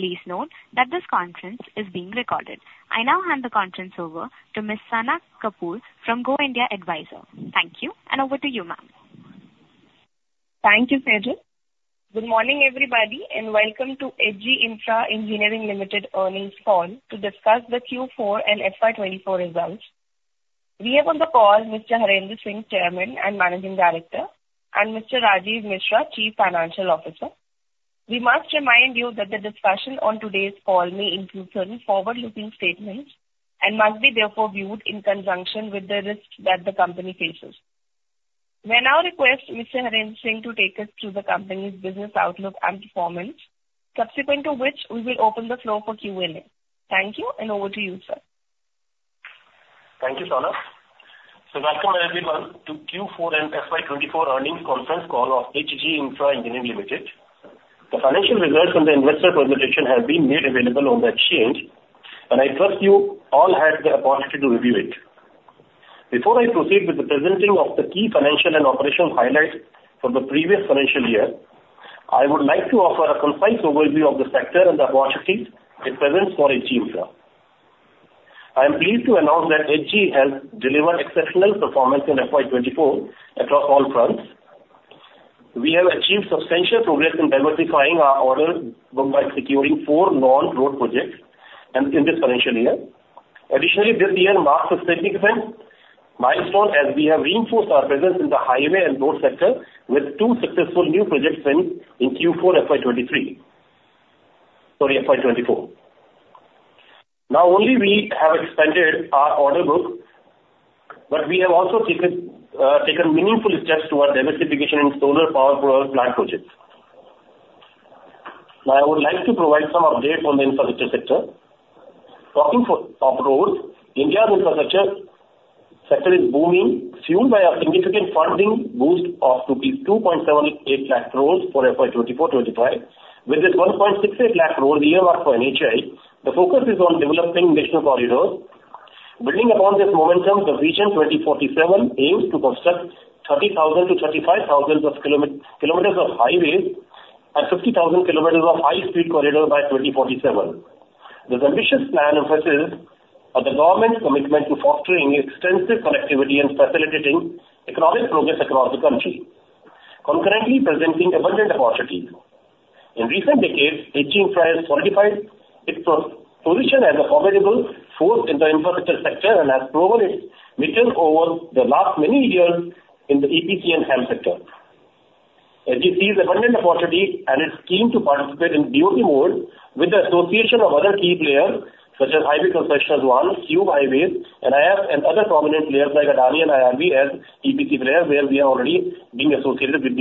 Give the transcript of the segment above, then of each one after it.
Please note that this conference is being recorded. I now hand the conference over to Ms. Sana Kapoor from Go India Advisors. Thank you, and over to you, ma'am. Thank you, Sejal. Good morning, everybody, and welcome to H.G. Infra Engineering Limited earnings call to discuss the Q4 and FY 2024 results. We have on the call Mr. Harendra Singh, Chairman and Managing Director, and Mr. Rajeev Mishra, Chief Financial Officer. We must remind you that the discussion on today's call may include certain forward-looking statements and must be therefore viewed in conjunction with the risks that the company faces. We now request Mr. Harendra Singh to take us through the company's business outlook and performance, subsequent to which we will open the floor for Q&A. Thank you, and over to you, sir. Thank you, Sana. So welcome, everyone, to Q4 and FY 2024 earnings conference call of H.G. Infra Engineering Limited. The financial results and the investor presentation have been made available on the exchange, and I trust you all had the opportunity to review it. Before I proceed with the presenting of the key financial and operational highlights for the previous financial year, I would like to offer a concise overview of the sector and the opportunities it presents for H.G. Infra. I am pleased to announce that H.G. has delivered exceptional performance in FY 2024 across all fronts. We have achieved substantial progress in diversifying our order book by securing four non-road projects and in this financial year. Additionally, this year marks a significant milestone, as we have reinforced our presence in the highway and road sector with two successful new projects win in Q4 FY 2023, sorry, FY 2024. Not only we have expanded our order book, but we have also taken, taken meaningful steps towards diversification in solar power plant projects. Now, I would like to provide some update on the infrastructure sector. Talking for, of roads, India's infrastructure sector is booming, fueled by a significant funding boost of rupees 278,000 crore for FY 2024-2025, with this 168,000 crore earmarked for NHAI. The focus is on developing national corridors. Building upon this momentum, the Vision 2047 aims to construct 30,000-35,000 kilometers of highways and 50,000 kilometers of high-speed corridors by 2047. This ambitious plan emphasizes of the government's commitment to fostering extensive connectivity and facilitating economic progress across the country, concurrently presenting abundant opportunities. In recent decades, H.G. Infra has solidified its position as a formidable force in the infrastructure sector and has proven its mettle over the last many years in the EPC and HAM sector. H.G. sees abundant opportunities, and it's keen to participate in BOT mode with the association of other key players, such as Highway Concessions One, Cube Highways, and I have and other prominent players like Adani and IRB as EPC players, where we are already being associated with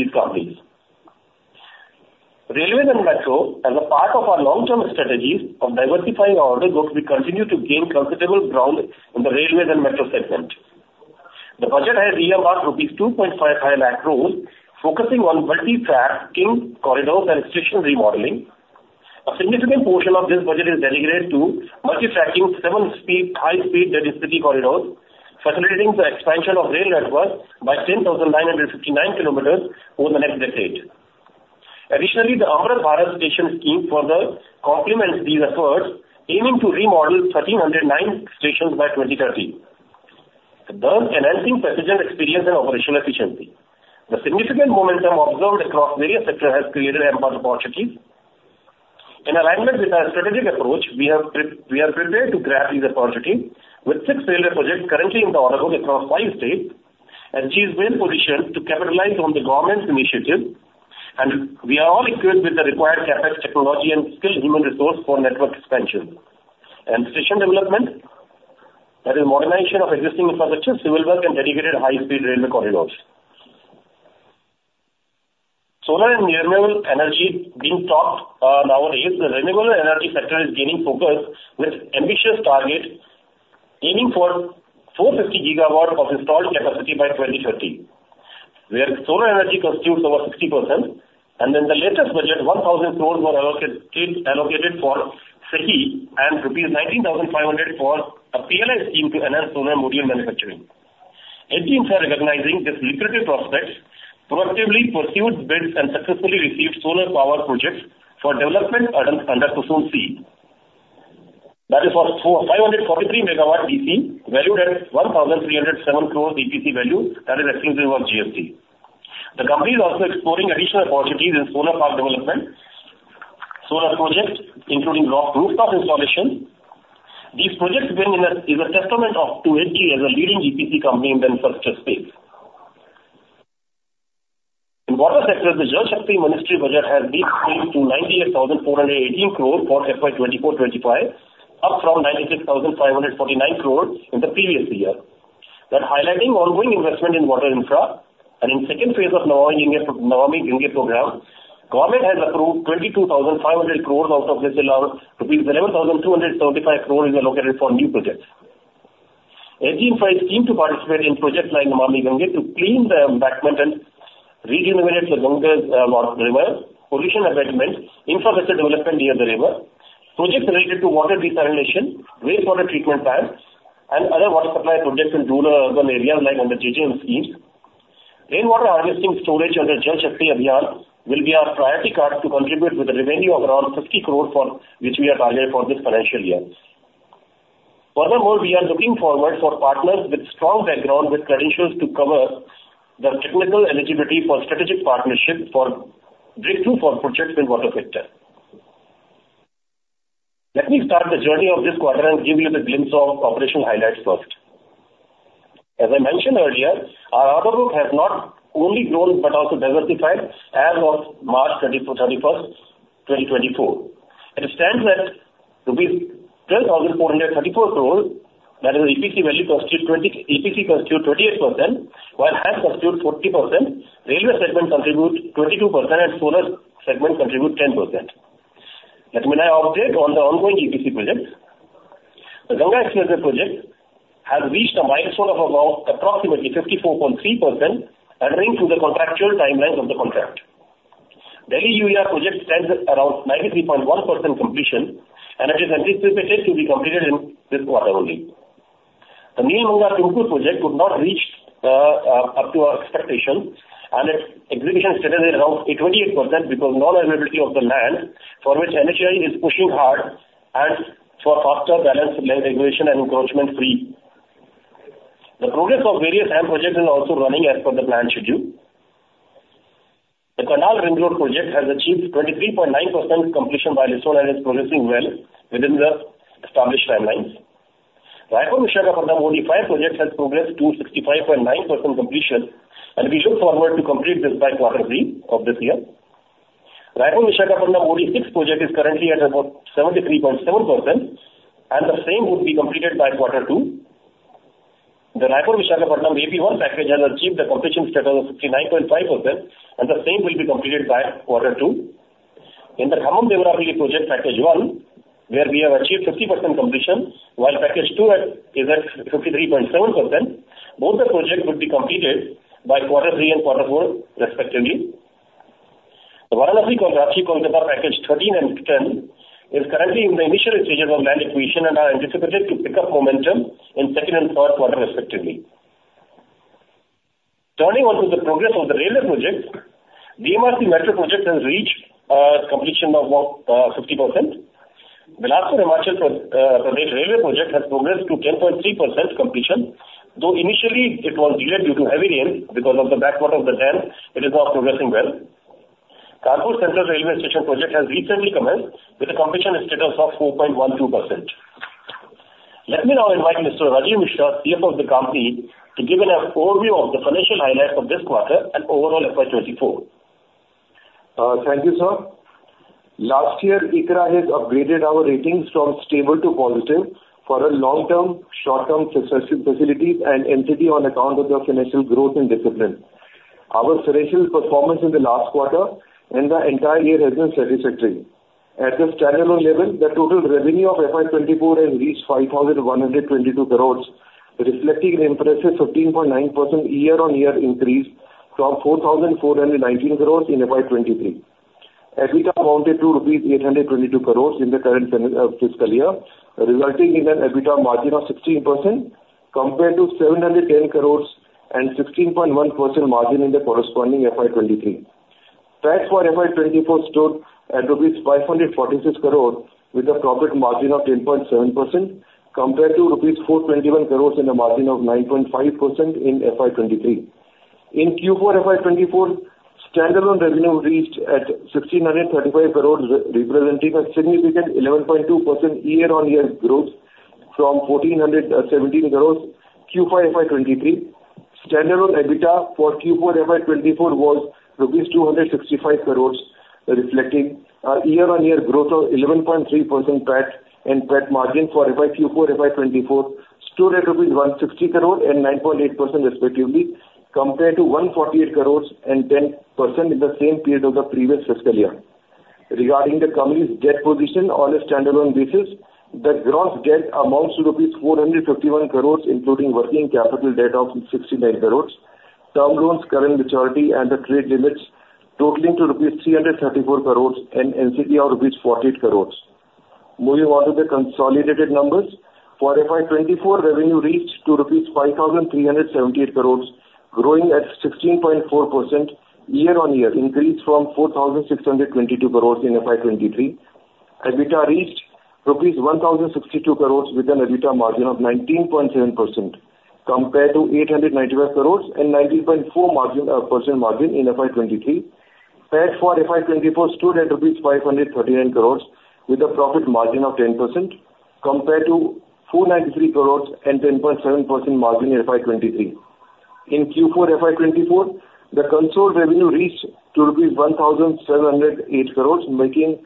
these companies. Railways and metro. As a part of our long-term strategies of diversifying our order book, we continue to gain considerable ground in the railways and metro segment. The budget has earmarked rupees 2.55 lakh crore, focusing on multi-tracking corridors and station remodeling. A significant portion of this budget is delegated to multi-tracking seven speed, high-speed density corridors, facilitating the expansion of rail networks by 10,959 kilometers over the next decade. Additionally, the Amrit Bharat Station Scheme further complements these efforts, aiming to remodel 1,309 stations by 2030, thus enhancing passenger experience and operational efficiency. The significant momentum observed across various sectors has created ample opportunities. In alignment with our strategic approach, we are prepared to grab these opportunities with six railway projects currently in the order book across five states, and HG is well positioned to capitalize on the government's initiative, and we are all equipped with the required CapEx, technology and skilled human resource for network expansion and station development, that is, modernization of existing infrastructure, civil work, and dedicated high-speed railway corridors. Solar and renewable energy being talked nowadays, the renewable energy sector is gaining focus with ambitious target, aiming for 450 GW of installed capacity by 2030, where solar energy constitutes over 60%, and in the latest budget, 1,000 crore were allocated for SECI and rupees 19,500 crore for a PLI scheme to enhance solar module manufacturing. H.G. Infra, recognizing this lucrative prospects, proactively pursued bids and successfully received solar power projects for development under Kusum C. That is for 543 MW DC, valued at 1,307 crore EPC value, that is exclusive of GST. The company is also exploring additional opportunities in solar power development, solar projects, including rooftop installation. These projects win is a testament to H.G. as a leading EPC company in the infrastructure space. In water sector, the Jal Shakti Ministry budget has been increased to 98,418 crore for FY 2024-2025, up from 96,549 crore in the previous year. That highlighting ongoing investment in water infra, and in second phase of Namami Gange, Namami Gange program, government has approved 22,500 crore, out of which around rupees 11,235 crore is allocated for new projects. H.G. Infra is keen to participate in projects like Namami Gange to clean the embankment and rejuvenate the Ganga river, position abetments, infrastructure development near the river, projects related to water desalination, wastewater treatment plants, and other water supply projects in rural or urban areas like under JJM schemes. Rainwater harvesting storage under Jal Shakti Abhiyan will be our priority card to contribute with a revenue of around 50 crore for which we have targeted for this financial year. Furthermore, we are looking forward for partners with strong background, with credentials to cover the technical eligibility for strategic partnership for breakthrough for projects in water sector. Let me start the journey of this quarter and give you the glimpse of operational highlights first. As I mentioned earlier, our order book has not only grown but also diversified as of March 31, 2024. It stands at rupees 12,434 crore, that is EPC value constitute twenty- EPC constitute 28%, while HAM constitute 40%, railway segment contribute 22% and solar segment contribute 10%. Let me now update on the ongoing EPC projects. The Ganga Expressway project has reached a milestone of about approximately 54.3%, adhering to the contractual timelines of the contract. Delhi UER project stands at around 93.1% completion, and it is anticipated to be completed in this quarter only. The Nelamangala-Tumakuru project could not reach up to our expectation, and its execution status is around 28% because non-availability of the land, for which NHAI is pushing hard and for faster balance land acquisition and encroachment free. The progress of various HAM projects is also running as per the planned schedule. The Karnal Ring Road project has achieved 23.9% completion by this quarter and is progressing well within the established timelines. Raipur-Visakhapatnam OD-5 project has progressed to 65.9% completion, and we look forward to complete this by quarter three of this year. Raipur-Visakhapatnam OD-6 project is currently at about 73.7%, and the same would be completed by quarter two. The Raipur-Visakhapatnam AP-1 package has achieved the completion status of 69.5%, and the same will be completed by quarter two. In the Khammam-Devarapalle project package one, where we have achieved 50% completion, while package two is at 53.7%, both the project would be completed by quarter three and quarter four respectively. The Varanasi-Ranchi-Kolkata package 13 and 10 is currently in the initial stages of land acquisition and are anticipated to pick up momentum in second and third quarter respectively. Turning to the progress of the railway projects, DMRC metro project has reached completion of about 50%. Bhanupali-Bilaspur project railway project has progressed to 10.3% completion, though initially it was delayed due to heavy rain. Because of the backwater of the dam, it is now progressing well. Kanpur Central Railway Station project has recently commenced with a completion status of 4.12%. Let me now invite Mr. Rajeev Mishra, CFO of the company, to give an overview of the financial highlights of this quarter and overall FY 2024. Thank you, sir. Last year, ICRA has upgraded our ratings from stable to positive for long-term, short-term facilities and entity on account of the financial growth and discipline. Our financial performance in the last quarter and the entire year has been satisfactory. At the standalone level, the total revenue of FY 2024 has reached 5,122 crore, reflecting an impressive 15.9% year-on-year increase from 4,419 crore in FY 2023. EBITDA amounted to rupees 822 crore in the current fiscal year, resulting in an EBITDA margin of 16% compared to 710 crore and 16.1% margin in the corresponding FY 2023. Tax for FY 2024 stood at rupees 546 crore, with a profit margin of 10.7% compared to rupees 421 crore and a margin of 9.5% in FY 2023. In Q4 FY 2024, standalone revenue reached 1,635 crore, representing a significant 11.2% year-on-year growth from 1,417 crore, Q4 FY 2023. Standalone EBITDA for Q4 FY 2024 was 265 crore, reflecting a year-on-year growth of 11.3%. PAT and PAT margin for Q4 FY 2024 stood at rupees 160 crore and 9.8% respectively, compared to 148 crore and 10% in the same period of the previous fiscal year. Regarding the company's debt position on a standalone basis, the gross debt amounts to INR 451 crore, including working capital debt of 69 crore, term loans current maturity and the trade limits totaling to INR 334 crore and NCD of INR 48 crore. Moving on to the consolidated numbers. For FY 2024, revenue reached to INR 5,378 crore, growing at 16.4% year-on-year increase from 4,622 crore in FY 2023. EBITDA reached INR 1,062 crore, with an EBITDA margin of 19.7% compared to 895 crore and 19.4% margin, percent margin in FY 2023. Tax for FY 2024 stood at INR 539 crore, with a profit margin of 10% compared to 493 crore and 10.7% margin in FY 2023. In Q4 FY 2024, the consolidated revenue reached to INR 1,708 crore, making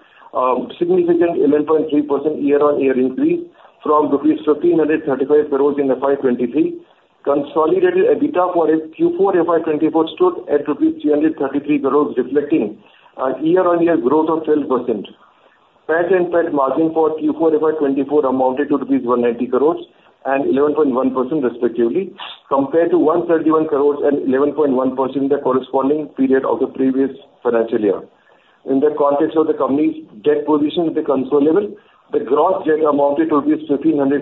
significant 11.3% year-on-year increase from INR 1,335 crore in FY 2023. Consolidated EBITDA for Q4 FY 2024 stood at INR 333 crore, reflecting a year-on-year growth of 12%. Tax and PAT margin for Q4 FY 2024 amounted to INR 190 crore and 11.1% respectively, compared to 131 crore and 11.1% in the corresponding period of the previous financial year. In the context of the company's debt position with the control level, the gross debt amounted to 1,500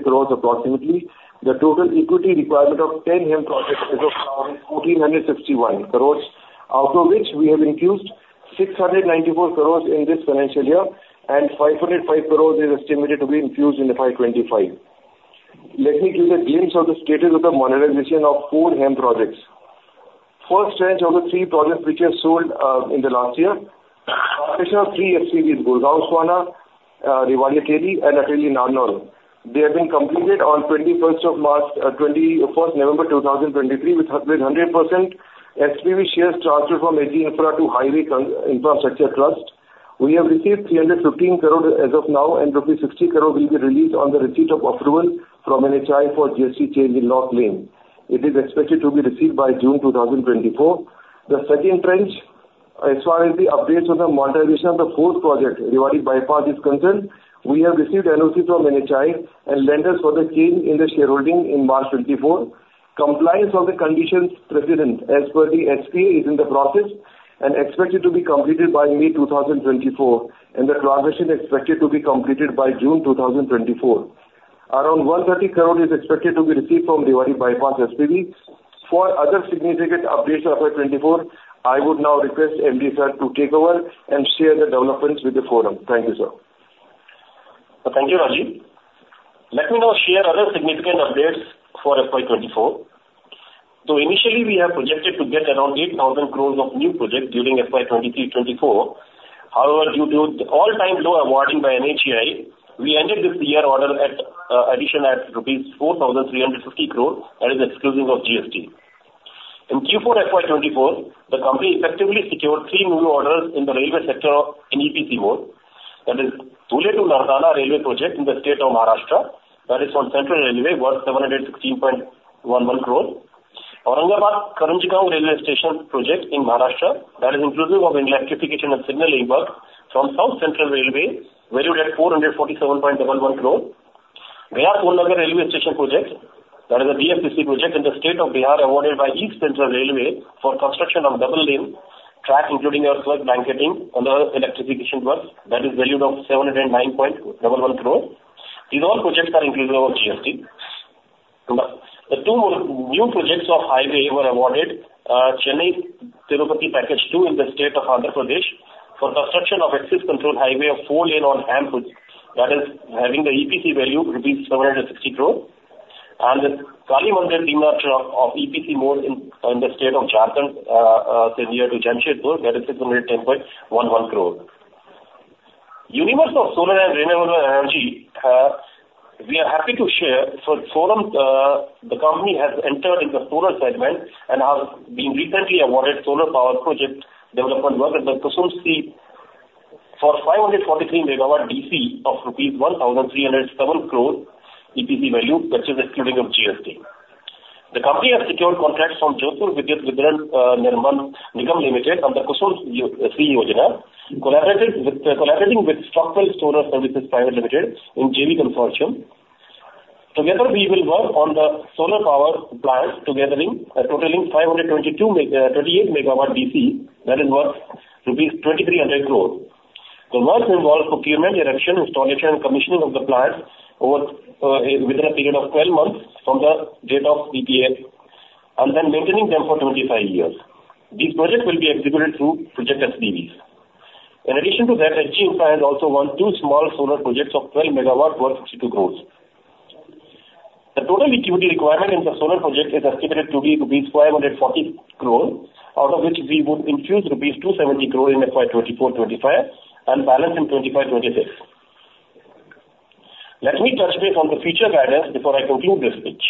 crore approximately. The total equity requirement of 10 HAM projects is of around 1,461 crore, out of which we have infused 694 crore in this financial year, and 505 crore is estimated to be infused in the FY 2025. Let me give a glimpse of the status of the monetization of four HAM projects. First tranche of the three projects which are sold in the last year. Additional three SPVs, Gurgaon Sohna, Rewari Ateli, and Ateli Narnaul. They have been completed on 21st of March, 21st November 2023, with 100% SPV shares transferred from H.G. Infra to Highways Infrastructure Trust. We have received 315 crore as of now, and rupees 60 crore will be released on the receipt of approval from NHAI for GST change in law claim. It is expected to be received by June 2024. The second tranche, as far as the updates on the monetization of the fourth project, Rewari Bypass, is concerned, we have received NOC from NHAI and lenders for the change in the shareholding in March 2024. Compliance on the conditions precedent, as per the SPA, is in the process and expected to be completed by May 2024, and the transaction is expected to be completed by June 2024. Around 130 crore is expected to be received from Rewari Bypass SPV. For other significant updates for FY 2024, I would now request MD sir to take over and share the developments with the forum. Thank you, sir. Thank you, Rajeev. Let me now share other significant updates for FY 2024. Initially, we have projected to get around 8,000 crore of new projects during FY 2023-2024. However, due to all-time low awarding by NHAI, we ended this year order addition at rupees 4,350 crore, that is exclusive of GST. In Q4 FY 2024, the company effectively secured three new orders in the railway sector in EPC mode, that is Dhule to Nardana railway project in the state of Maharashtra. That is from Central Railway, worth 716.11 crore. Aurangabad-Karanjgaon Railway Station project in Maharashtra, that is inclusive of electrification and signaling work from South Central Railway, valued at 447.11 crore. Gaya-Son Nagar railway station project, that is a EPC project in the state of Bihar, awarded by East Central Railway for construction of double lane track, including earth work, blanketing, and other electrification works, that is valued at 709.11 crore. These all projects are inclusive of GST. Two more new projects of highway were awarded, Chennai-Tirupati, Package Two in the state of Andhra Pradesh, for construction of access control highway of four lane on HAM projects, that is having the EPC value, rupees 760 crore. The Kalimandir-Dimna Chowk of EPC mode in the state of Jharkhand, Siena to Jamshedpur, that is 610.11 crore. Universe of solar and renewable energy, we are happy to share for forum, the company has entered in the solar segment and has been recently awarded solar power project development work at the KUSUM-C for 543 MW DC of rupees 1,307 crore EPC value, which is excluding of GST. The company has secured contracts from Jodhpur Vidhyut Vitran Nigam Limited on the KUSUM-C Yojana, collaborating with Stockwell Solar Services Private Limited in JV consortium. Together, we will work on the solar power plants, togethering, totaling 528 MW DC, that is worth rupees 2,300 crore. The work involves procurement, erection, installation, and commissioning of the plant over, within a period of 12 months from the date of EPA, and then maintaining them for 25 years. These projects will be executed through project SPVs. In addition to that, H.G. Infra has also won two small solar projects of 12 MW worth 62 crore. The total equity requirement in the solar projects is estimated to be rupees 540 crore, out of which we would infuse rupees 270 crore in FY 2024, 2025, and balance in 2025, 2026. Let me touch base on the future guidance before I conclude this speech.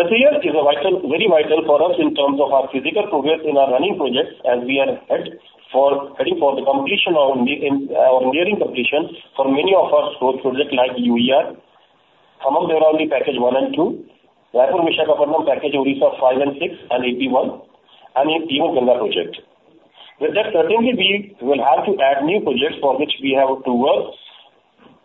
This year is very vital for us in terms of our physical progress in our running projects, as we are heading for the completion or nearing completion for many of our solar projects like UER, Khammam Devarapalle Package One and Two, Raipur-Visakhapatnam Package Odisha Five and Six, and AP-1, and even Ganga project. With that, certainly, we will have to add new projects for which we have to work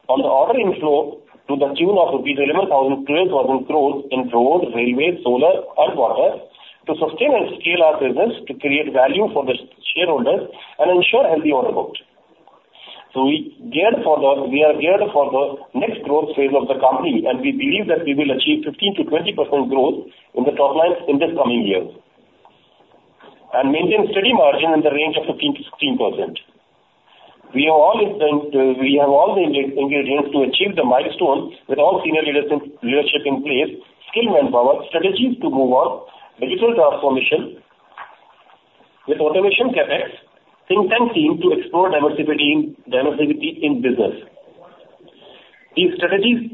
on the order inflow to the tune of 11,000 crore, or in crores, in road, railway, solar, and water, to sustain and scale our business to create value for the shareholders and ensure healthy order book. So we are geared for the next growth phase of the company, and we believe that we will achieve 15%-20% growth in the top line in this coming year, and maintain steady margin in the range of 15%-16%. We have all the ingredients to achieve the milestone with all senior leadership in place, skilled manpower, strategies to move on, digital transformation with automation CapEx, think tank team to explore diversifying, diversity in business. These strategies,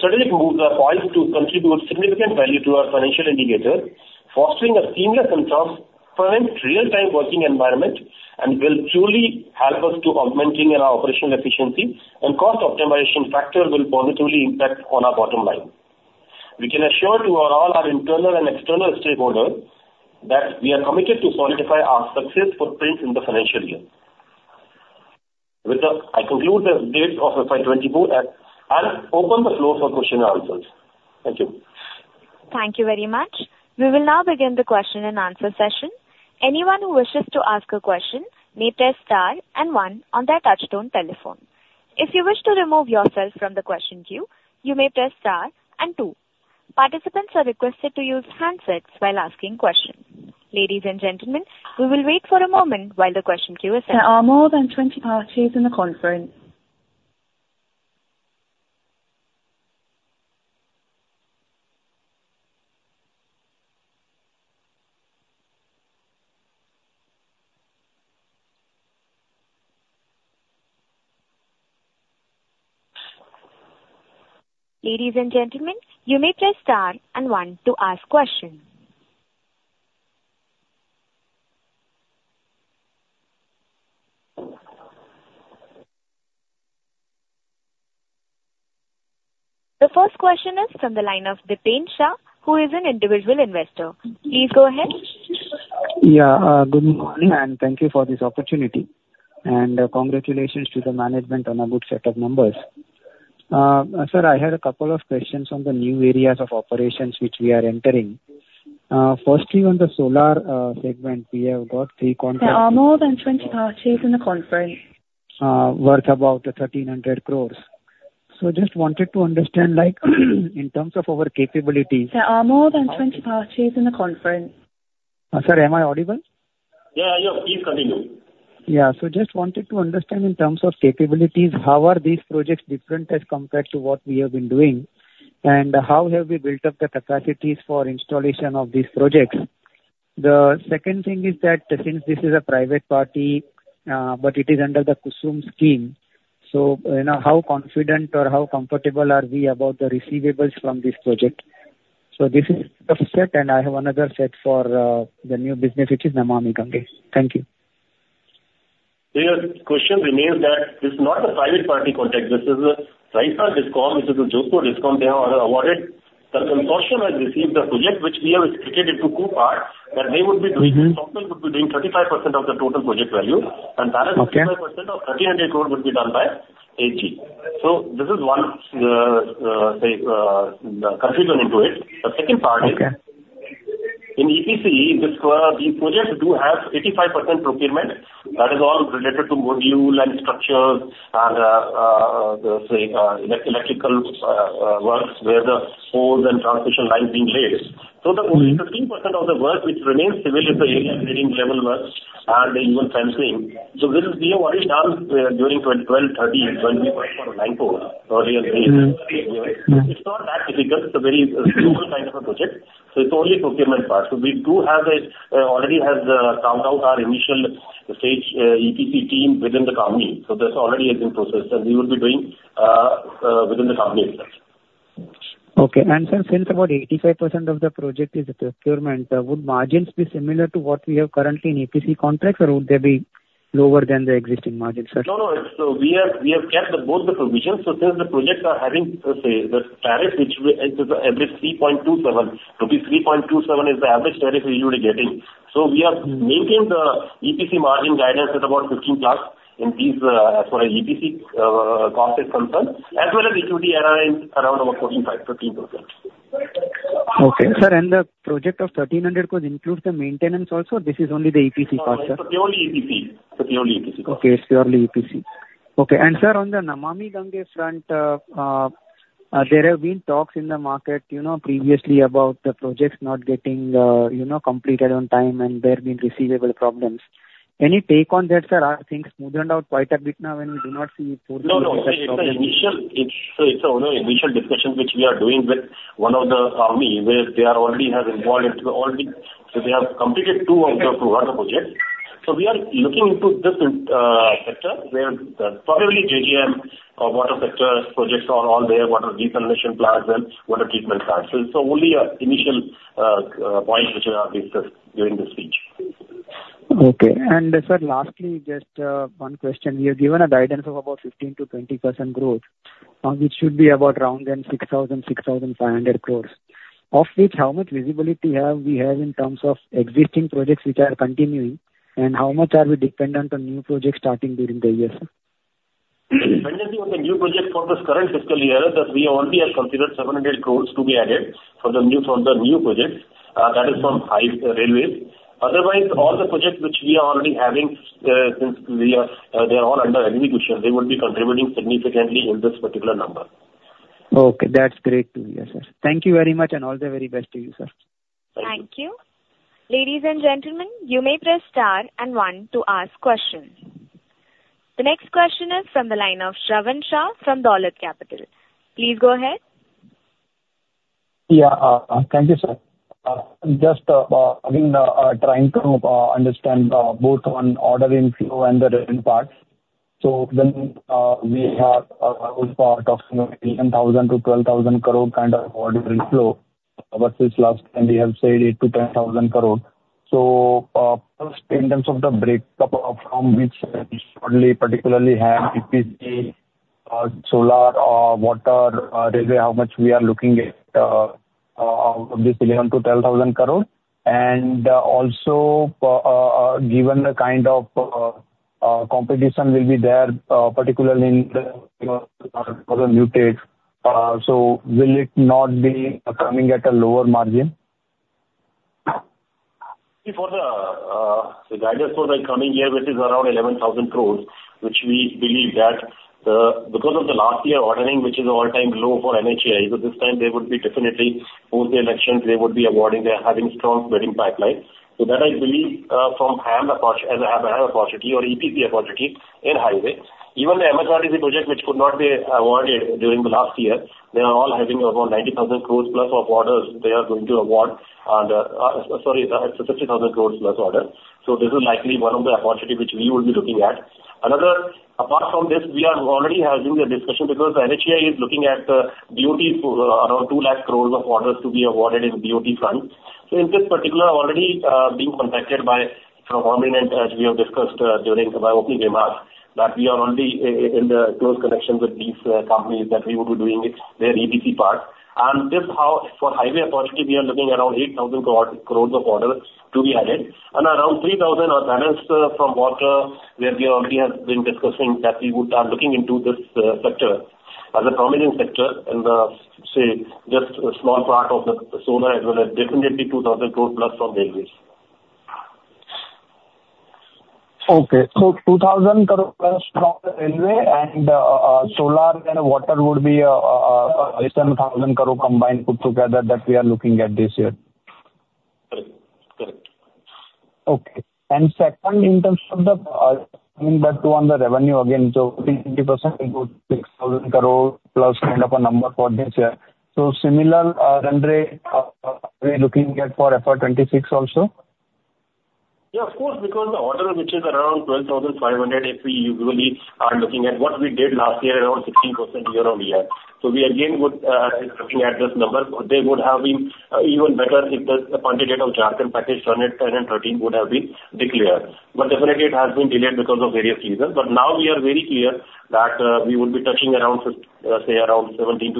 strategic moves are poised to contribute significant value to our financial indicators, fostering a seamless and transparent real-time working environment, and will truly help us to augmenting our operational efficiency and cost optimization factor will positively impact on our bottom line. We can assure to our all our internal and external stakeholders that we are committed to solidify our success footprints in the financial year.... With that, I conclude the update of FY 2024, and, and open the floor for question and answers. Thank you. Thank you very much. We will now begin the question and answer session. Anyone who wishes to ask a question may press star and one on their touchtone telephone. If you wish to remove yourself from the question queue, you may press star and two. Participants are requested to use handsets while asking questions. Ladies and gentlemen, we will wait for a moment while the question queue is set. There are more than 20 parties in the conference. Ladies and gentlemen, you may press star and one to ask questions. The first question is from the line of Dipen Shah, who is an individual investor. Please go ahead. Yeah, good morning, and thank you for this opportunity. Congratulations to the management on a good set of numbers. Sir, I had a couple of questions on the new areas of operations which we are entering. Firstly, on the solar segment, we have got three contracts- There are more than 20 parties in the conference. Worth about 1,300 crore. So just wanted to understand, like, in terms of our capabilities- There are more than 20 parties in the conference. Sir, am I audible? Yeah, you are. Please continue. Yeah. So just wanted to understand in terms of capabilities, how are these projects different as compared to what we have been doing? And how have we built up the capacities for installation of these projects? The second thing is that since this is a private party, but it is under the Kusum scheme, so, you know, how confident or how comfortable are we about the receivables from this project? So this is the first set, and I have another set for the new business, which is Namami Gange. Thank you. Your question remains that this is not a private party contract, this is a Rajasthan district, this is a Jodhpur district they have awarded. The consortium has received the project, which we have split it into two parts, that they would be doing- Mm-hmm. Stockwell would be doing 35% of the total project value, and the other- Okay. 35% of 1,300 crore would be done by H.G. So this is one confusion into it. The second part is- Okay. In EPC, these projects do have 85% procurement. That is all related to module and structures and, the, say, works, where the poles and transmission lines being laid. Mm-hmm. So the 15% of the work which remains civil is the area grading level works and the even fencing. So this is being already done during 2012, 2013, 2024 for [Nymco] earlier. Mm-hmm. Mm. It's not that difficult, it's a very normal kind of a project, so it's only procurement part. So we do have already counted out our initial stage EPC team within the company. So that already is in process, and we will be doing within the company itself. Okay. Sir, since about 85% of the project is procurement, would margins be similar to what we have currently in EPC contracts, or would they be lower than the existing margins, sir? No, no. So we have, we have kept both the provisions. So since the projects are having, let's say, the tariff, which we, is average 3.27. 3.27 is the average tariff we would be getting. So we have- Mm. maintained the EPC margin guidance at about 15+ in these, as far as EPC cost is concerned, as well as equity ROI around about 14.5-15%. Okay, sir, and the project of INR 1,300 crore includes the maintenance also, or this is only the EPC part, sir? The only EPC. The only EPC part. Okay, it's purely EPC. Okay. And sir, on the Namami Gange front, there have been talks in the market, you know, previously about the projects not getting, you know, completed on time and there have been receivable problems. Any take on that, sir? Are things smoothed out quite a bit now, and we do not see those- No, no. It's an initial, it's only initial discussion which we are doing with one of the army, where they are already have involved into already. So they have completed two out of two other projects. So we are looking into this sector, where probably JJM or water sector projects are all there, water desalination plants and water treatment plants. So only an initial point which I have discussed during the speech. Okay. Sir, lastly, just one question. You have given a guidance of about 15%-20% growth, which should be about around 6,000 crore-6,500 crore. Of which, how much visibility have we have in terms of existing projects which are continuing, and how much are we dependent on new projects starting during the year, sir? Depending on the new project for this current fiscal year, that we only have considered 700 crore to be added for the new, for the new projects, that is from highways and railways. Otherwise, all the projects which we are already having, since we are, they are all under execution, they would be contributing significantly in this particular number. Okay, that's great to hear, sir. Thank you very much, and all the very best to you, sir. Thank you. Thank you. Ladies and gentlemen, you may press star and one to ask questions. The next question is from the line of Shravan Shah from Dolat Capital. Please go ahead. Yeah, thank you, sir. Just, I mean, trying to understand both on ordering flow and the revenue parts. When we have a whole part of 10,000-12,000 crore kind of order inflow, versus last time we have said 8,000-10,000 crore. First, in terms of the breakup of from which only particularly have EPC, solar, water, railway, how much we are looking at out of this 11,000-12,000 crore? Also, given the kind of competition will be there, particularly in the, so will it not be coming at a lower margin? Before the guidance for the coming year, which is around 11,000 crore, which we believe that because of the last year ordering, which is all-time low for NHAI, so this time they would be definitely, post the elections, they would be awarding. They are having strong bidding pipeline. So that I believe, from high end approach, as I have high opportunity or EPP opportunity in highway. Even the MSRTC project, which could not be awarded during the last year, they are all having around 90,000 crore plus of orders they are going to award on the... Sorry, 50,000 crore plus orders. So this is likely one of the opportunity which we would be looking at. Another, apart from this, we are already having a discussion because NHAI is looking at the BOT around 200,000 crore of orders to be awarded in BOT front. So in this particular, already being contacted by some prominent, as we have discussed during my opening remarks, that we are already in the close connections with these companies, that we would be doing it, their EPC part. And this how, for highway authority, we are looking around 8,000 crore of orders to be added and around 3,000 crore are balanced from water, where we already have been discussing that we would are looking into this sector as a prominent sector in the, say, just a small part of the solar, as well as definitely 2,000 crore plus from railways. Okay. So 2,000 crore plus from the railway and solar and water would be less than 1,000 crore combined put together that we are looking at this year? Correct. Correct. Okay. And second, in terms of the coming back to on the revenue again, so 30% will go 6,000 crore plus kind of a number for this year. So similar run rate, are we looking at for FY 2026 also? Yeah, of course, because the order, which is around 12,500, if we usually are looking at what we did last year, around 16% year-on-year. So we again would, looking at this number, they would have been, even better if the quantity of Jharkhand package 10 and 13 would have been declared. But definitely it has been delayed because of various reasons. But now we are very clear that, we would be touching around, say, around 17%-18%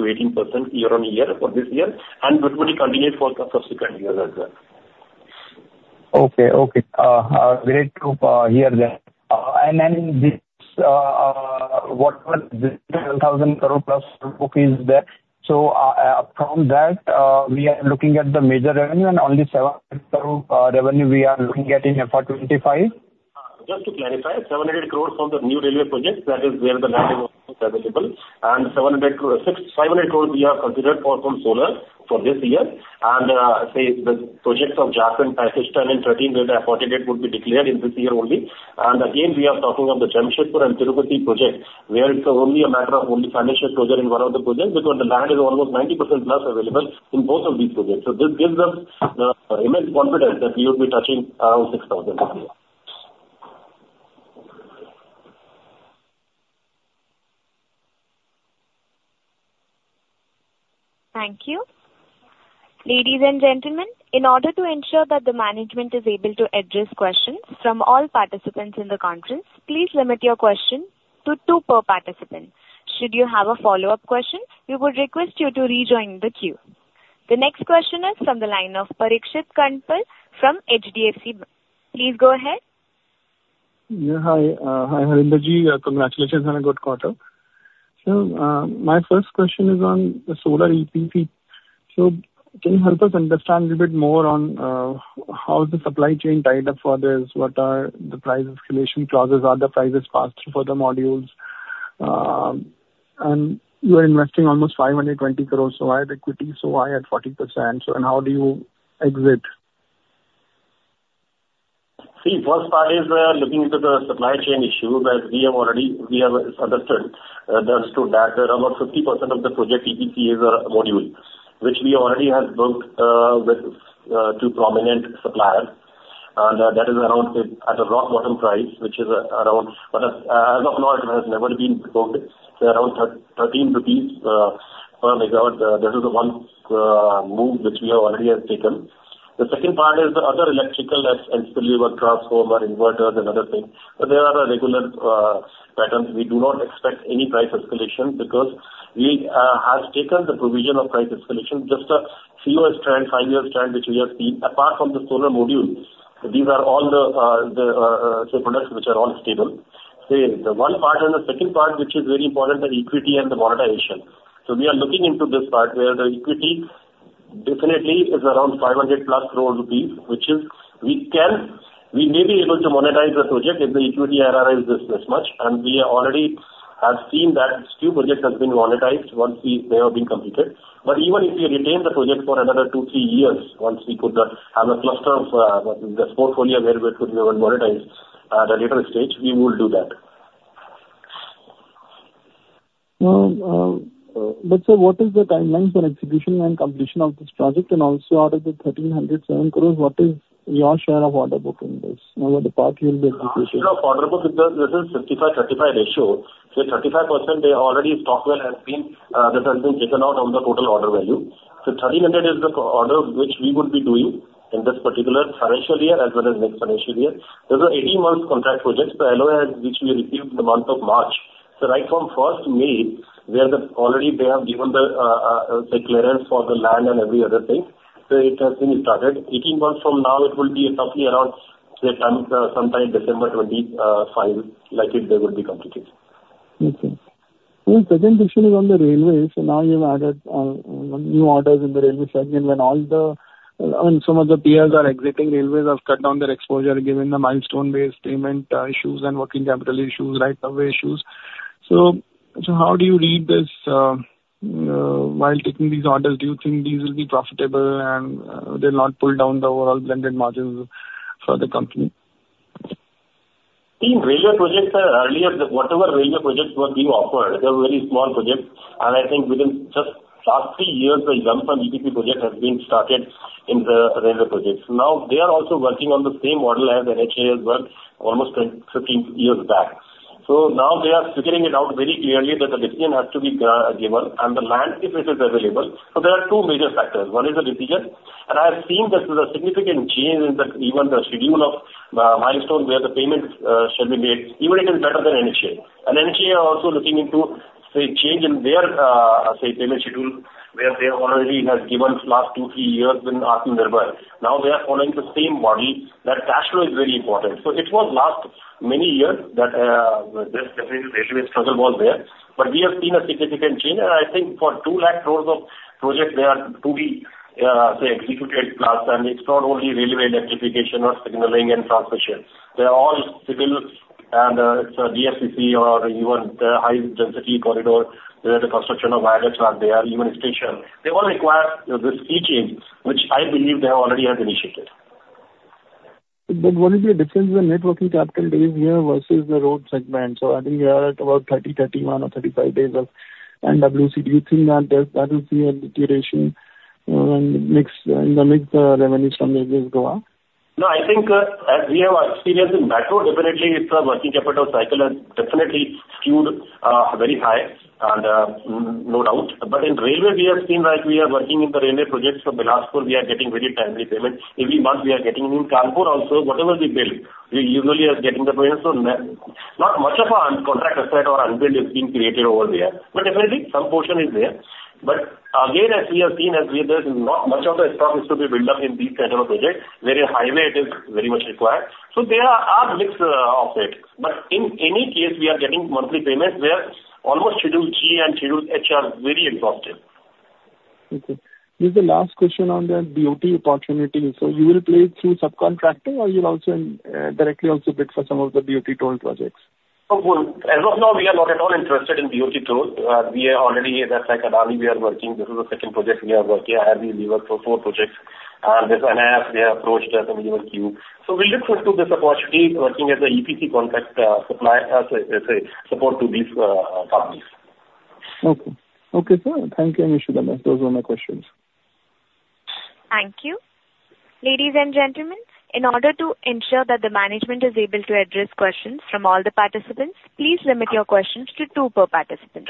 year-on-year for this year, and it would continue for the subsequent years as well. Okay, okay. Great to hear that. And then this, what was the INR 10,000 crore plus is there. From that, we are looking at the major revenue and only 7,000 crore revenue we are looking at in FY 2025? Just to clarify, 700 crore from the new railway projects, that is where the land is available, and 700 crore, 500 crore we have considered for from solar for this year. The projects of Jharkhand Package 10 and 13, where the opportunity would be declared in this year only. We are talking of the Jamshedpur and Tirupati projects, where it's only a matter of only financial closure in one of the projects, because the land is almost 90% plus available in both of these projects. This gives us the immense confidence that we will be touching around 6,000 crore this year. Thank you. Ladies and gentlemen, in order to ensure that the management is able to address questions from all participants in the conference, please limit your question to two per participant. Should you have a follow-up question, we would request you to rejoin the queue. The next question is from the line of Parikshit Kandpal from HDFC. Please go ahead. Yeah, hi. Hi, Harendra Ji, congratulations on a good quarter. So, my first question is on the solar EPC. So can you help us understand a little bit more on how the supply chain tied up for this? What are the price escalation clauses? Are the prices passed through for the modules? And you are investing almost 520 crore, so high equity, so high at 40%, so and how do you exit? See, first part is, looking into the supply chain issue, as we have already, we have understood that around 50% of the project EPC is a module, which we already have booked, with two prominent suppliers. That is around at a rock bottom price, which is around, as of now, it has never been booked, around 13 rupees per megawatt. This is the one move which we already have taken. The second part is the other electrical as installer, transformer, inverters and other things. There are regular patterns. We do not expect any price escalation because we have taken the provision of price escalation, just a three-year trend, five-year trend, which we have seen. Apart from the solar modules, these are all the products which are all stable. Say, the one part and the second part, which is very important, the equity and the monetization. So we are looking into this part where the equity definitely is around 500+ crore rupees, which is, we can—we may be able to monetize the project if the equity IRR is this much. And we already have seen that few projects have been monetized once they have been completed. But even if we retain the project for another two-three years, once we put the cluster of the portfolio where we could even monetize the later stage, we will do that. But sir, what is the timeline for execution and completion of this project? And also out of the 1,307 crore, what is your share of order book in this, and what the part you will be completing? Order book, it does... this is 55-35 ratio. So 35%, they already stock well has been, this has been taken out on the total order value. So 30 million is the order which we would be doing in this particular financial year as well as next financial year. Those are 18-month contract projects, the LOI which we received in the month of March. So right from first May, where the, already they have given the clearance for the land and every other thing. So it has been started. 18 months from now, it will be roughly around, say, time, sometime December 2025, likely they will be completed. Okay. In presentation on the railways, so now you have added new orders in the railway segment when all the, and some of the peers are exiting railways have cut down their exposure, given the milestone-based payment issues and working capital issues, right-of-way issues. So how do you read this while taking these orders? Do you think these will be profitable and they'll not pull down the overall blended margins for the company? In railway projects, earlier, whatever railway projects were being offered, they were very small projects, and I think within just the last three years, the jump on EPC projects has been started in the railway projects. Now, they are also working on the same model as NHAI has worked almost 10, 15 years back. Now they are figuring it out very clearly that the decision has to be given, and the land, if it is available. There are two major factors. One is the decision, and I have seen that there's a significant change in even the schedule of milestone, where the payments shall be made. Even it is better than NHAI. NHAI are also looking into, say, change in their payment schedule, where they already have given last two, three years in Atmanirbhar. Now we are following the same model, that cash flow is very important. So it was last many years that, this definite railway struggle was there, but we have seen a significant change, and I think for 200,000 crore of projects there are to be, say, executed plus, and it's not only railway electrification or signaling and transmission. They are all civil and, it's a DFCC or even the high-density corridor, where the construction of viaducts are there, even station. They all require the key change, which I believe they already have initiated. But what is the difference in the net working capital days here versus the road segment? So I think we are at about 30, 31 or 35 days of NWCD three, and there that will be a deterioration in the next revenue from this go on. No, I think, as we have experience in metro, definitely the working capital cycle has definitely skewed very high, and no doubt. But in railway, we have seen that we are working in the railway projects for Bilaspur, we are getting very timely payments. Every month we are getting, in Kanpur also, whatever we bill, we usually are getting the payments. So not much of a contract or unbilled is being created over there, but definitely some portion is there. But again, as we have seen, as we there's not much of the stuff is to be built up in these kinds of projects, whereas highway it is very much required. So there are, a mix, of it. But in any case, we are getting monthly payments where almost Schedule G and Schedule H are very exhaustive. Okay. This is the last question on the BOT opportunity. So you will play through subcontractor, or you'll also, directly also bid for some of the BOT toll projects? As of now, we are not at all interested in BOT tolls. We are already, with Adani we are working. This is the second project we are working. I believe we worked for four projects, and this NHAI, they approached us, and we worked too. So we look forward to this opportunity working as a EPC contract, supplier, say, say, support to these, parties. Okay. Okay, sir. Thank you, Mr. Mishra. Those were my questions. Thank you. Ladies and gentlemen, in order to ensure that the management is able to address questions from all the participants, please limit your questions to two per participant.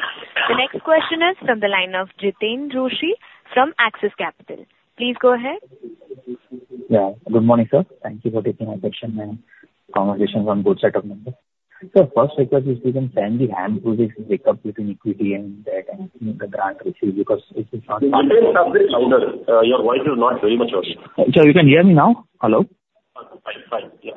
The next question is from the line of Jiten Rushi from Axis Capital. Please go ahead. Yeah. Good morning, sir. Thank you for taking my questions on both sets of numbers. So first request is, if you can send the HAM projects breakdown between equity and debt and the grant received, because this is not- Your voice is not very much audible. Sir, you can hear me now? Hello. Fine. Fine. Yeah.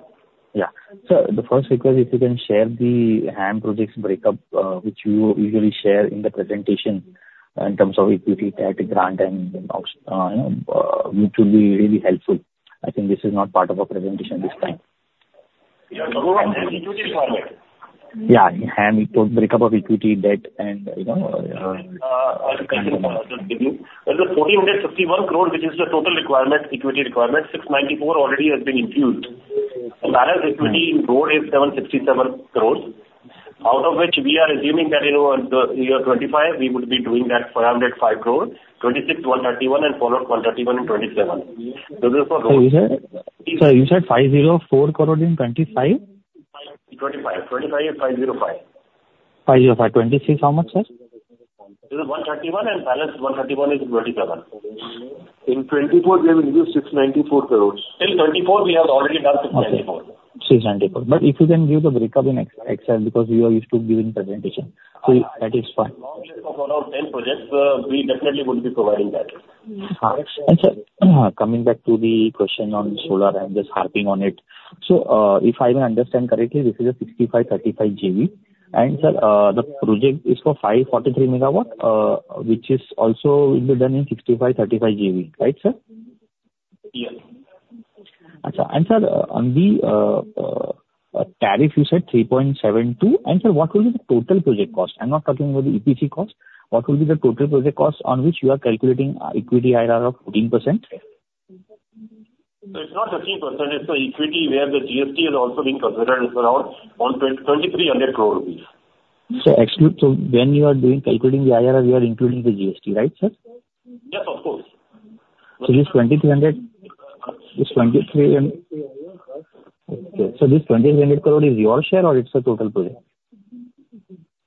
Yeah. Sir, the first request, if you can share the HAM projects break-up, which you usually share in the presentation in terms of equity, debt, grant, and, you know, which will be really helpful. I think this is not part of our presentation this time. You are talking about the equity side? Yeah, HAM total breakup of equity, debt, and, you know, - I'll continue. In the 4,061 crore, which is the total requirement, equity requirement, 694 crore already has been infused. Balance equity in road is 767 crore, out of which we are assuming that, you know, in the year 2025, we would be doing that 505 crore, 2026, 131 crore, and followed 131 crore in 2027. So this is for- So you said, sir, you said 504 crore in 25? 25. 25 is 505. 505. 26, how much, sir? It is 1:31, and balance 131 is 27. In 2024, we have infused 694 crore. In 2024, we have already done 694. Okay, 694. But if you can give the breakup in Excel, because we are used to giving presentation. So that is fine. Long list of all of 10 projects, we definitely would be providing that. Sir, coming back to the question on solar, I'm just harping on it. If I understand correctly, this is a 65/35 JV. And sir, the project is for 543 MW, which also will be done in 65/35 JV. Right, sir? Yes. Sir, on the tariff, you said 3.72. Sir, what will be the total project cost? I'm not talking about the EPC cost. What will be the total project cost on which you are calculating equity IRR of 14%? It's not 13%, it's the equity where the GST is also being considered. It's around 123 crore rupees. So actually, when you are doing, calculating the IRR, you are including the GST, right, sir? Yes, of course. So this 2,300- Okay, so this 2,300 crore is your share or it's a total project?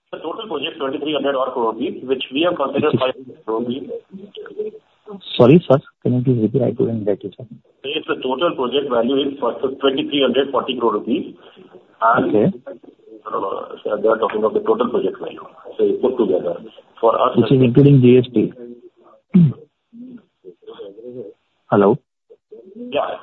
The total project, 2,300 crore rupees, which we have considered 5 crore rupees. Sorry, sir, can you please repeat? I couldn't get you, sir. The total project value is for 2,340 crore rupees, and- Okay. They are talking of the total project value, so put together. For us- This is including GST? Hello? Yeah.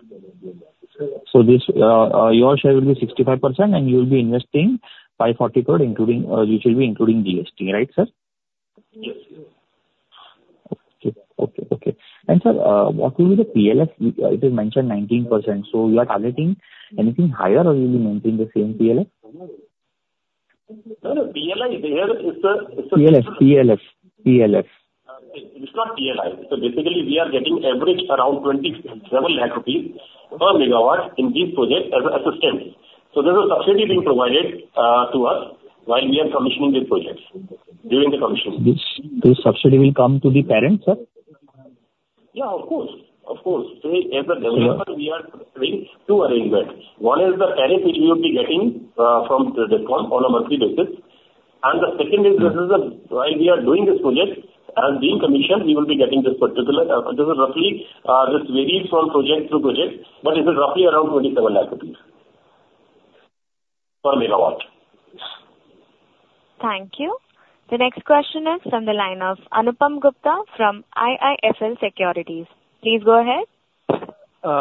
So, this your share will be 65%, and you will be investing 540 crore including, which will be including GST, right, sir? Yes. Okay. Okay, okay. Sir, what will be the PLF? It is mentioned 19%, so you are targeting anything higher or you will maintain the same PLF? Sir, PLI, there is a- PLF, PLF, PLF. It's not PLI. So basically, we are getting average around 27 lakh rupees per megawatt in this project as a stint. So there's a subsidy being provided to us, while we are commissioning this project, during the commissioning. This subsidy will come to the parent, sir? Yeah, of course. Of course. So as a developer- Yeah. We are doing two arrangements. One is the tariff, which we will be getting from the DISCOM on a monthly basis. And the second is, Why we are doing this project, and during commission, we will be getting this particular, this is roughly, this varies from project to project, but it is roughly around 27 lakh rupees per megawatt. Thank you. The next question is from the line of Anupam Gupta from IIFL Securities. Please go ahead.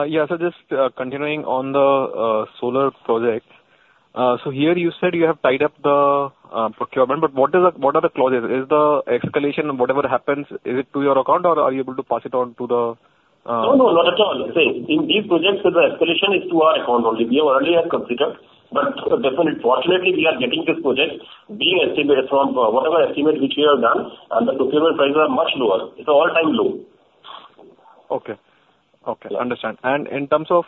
Yeah, so just continuing on the solar project. So here you said you have tied up the procurement, but what is the, what are the clauses? Is the escalation, whatever happens, is it to your account, or are you able to pass it on to the- No, no, not at all. Say, in these projects, so the escalation is to our account only. We have earlier considered, but definitely, fortunately, we are getting this project below estimate from whatever estimate which we have done, and the procurement prices are much lower. It's an all-time low. Okay. Okay, understand. And in terms of,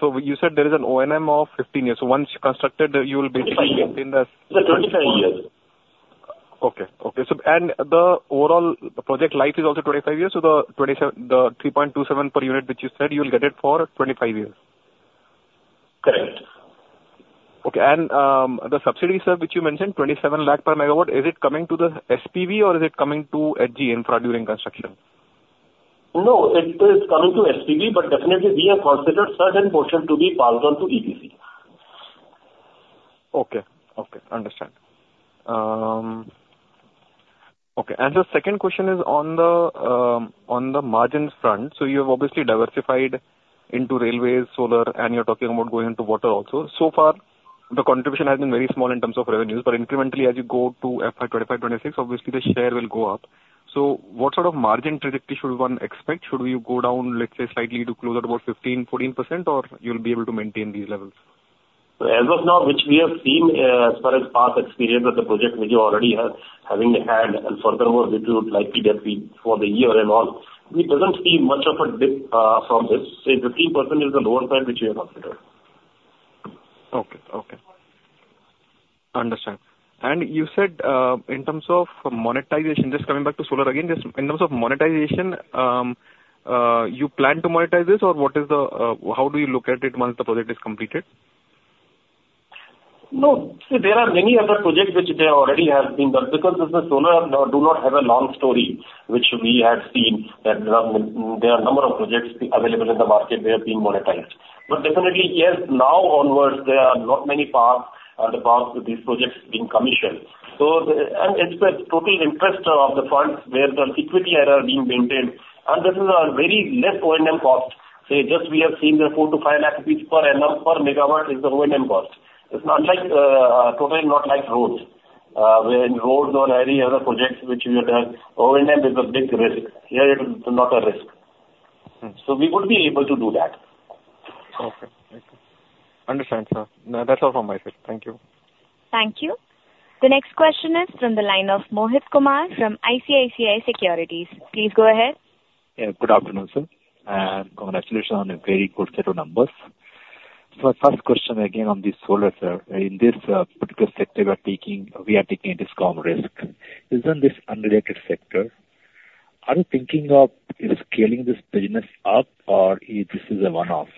so you said there is an O&M of 15 years. So once constructed, you will basically maintain the- It's 25 years. Okay. Okay, so, and the overall project life is also 25 years, so the 3.27 per unit, which you said you'll get it for 25 years? Correct. Okay, the subsidy, sir, which you mentioned, 27 lakh per megawatt, is it coming to the SPV or is it coming to H.G. Infra during construction? No, it is coming to SPV, but definitely we have considered certain portion to be passed on to EPC. Okay. Okay, understand. Okay, and the second question is on the, on the margins front. So you have obviously diversified into railways, solar, and you're talking about going into water also. So far, the contribution has been very small in terms of revenues, but incrementally, as you go to FY 2025, 2026, obviously the share will go up. So what sort of margin trajectory should one expect? Should you go down, let's say, slightly to close at about 15%-14%, or you'll be able to maintain these levels? As of now, which we have seen, as far as past experience with the project, which we already have, having had, and furthermore, which would likely get the for the year and on, it doesn't seem much of a dip from this. Say the 3% is the lower side, which we have considered. Okay. Okay. Understand. And you said, in terms of monetization, just coming back to solar again, just in terms of monetization, you plan to monetize this, or what is the, how do you look at it once the project is completed? No. See, there are many other projects which they already have been done, because the solar do not have a long story, which we have seen, that there are number of projects available in the market, they have been monetized. But definitely, yes, now onwards, there are not many paths, the paths to these projects being commissioned. So the, and as per total interest of the funds, where the equity IRR are being maintained, and this is a very less O&M cost. Say, just we have seen the 4-5 lakh rupees per annum, per megawatt is the O&M cost. It's not like, totally not like roads, when roads or any other projects which we have done, O&M is a big risk. Here, it's not a risk. Hmm. We would be able to do that. Okay. Understand, sir. No, that's all from my side. Thank you. Thank you. The next question is from the line of Mohit Kumar from ICICI Securities. Please go ahead. Yeah, good afternoon, sir, and congratulations on a very good set of numbers. So my first question again on the solar, sir. In this particular sector you are taking, we are taking a discom risk. Isn't this unrelated sector? Are you thinking of scaling this business up, or this is a one-off?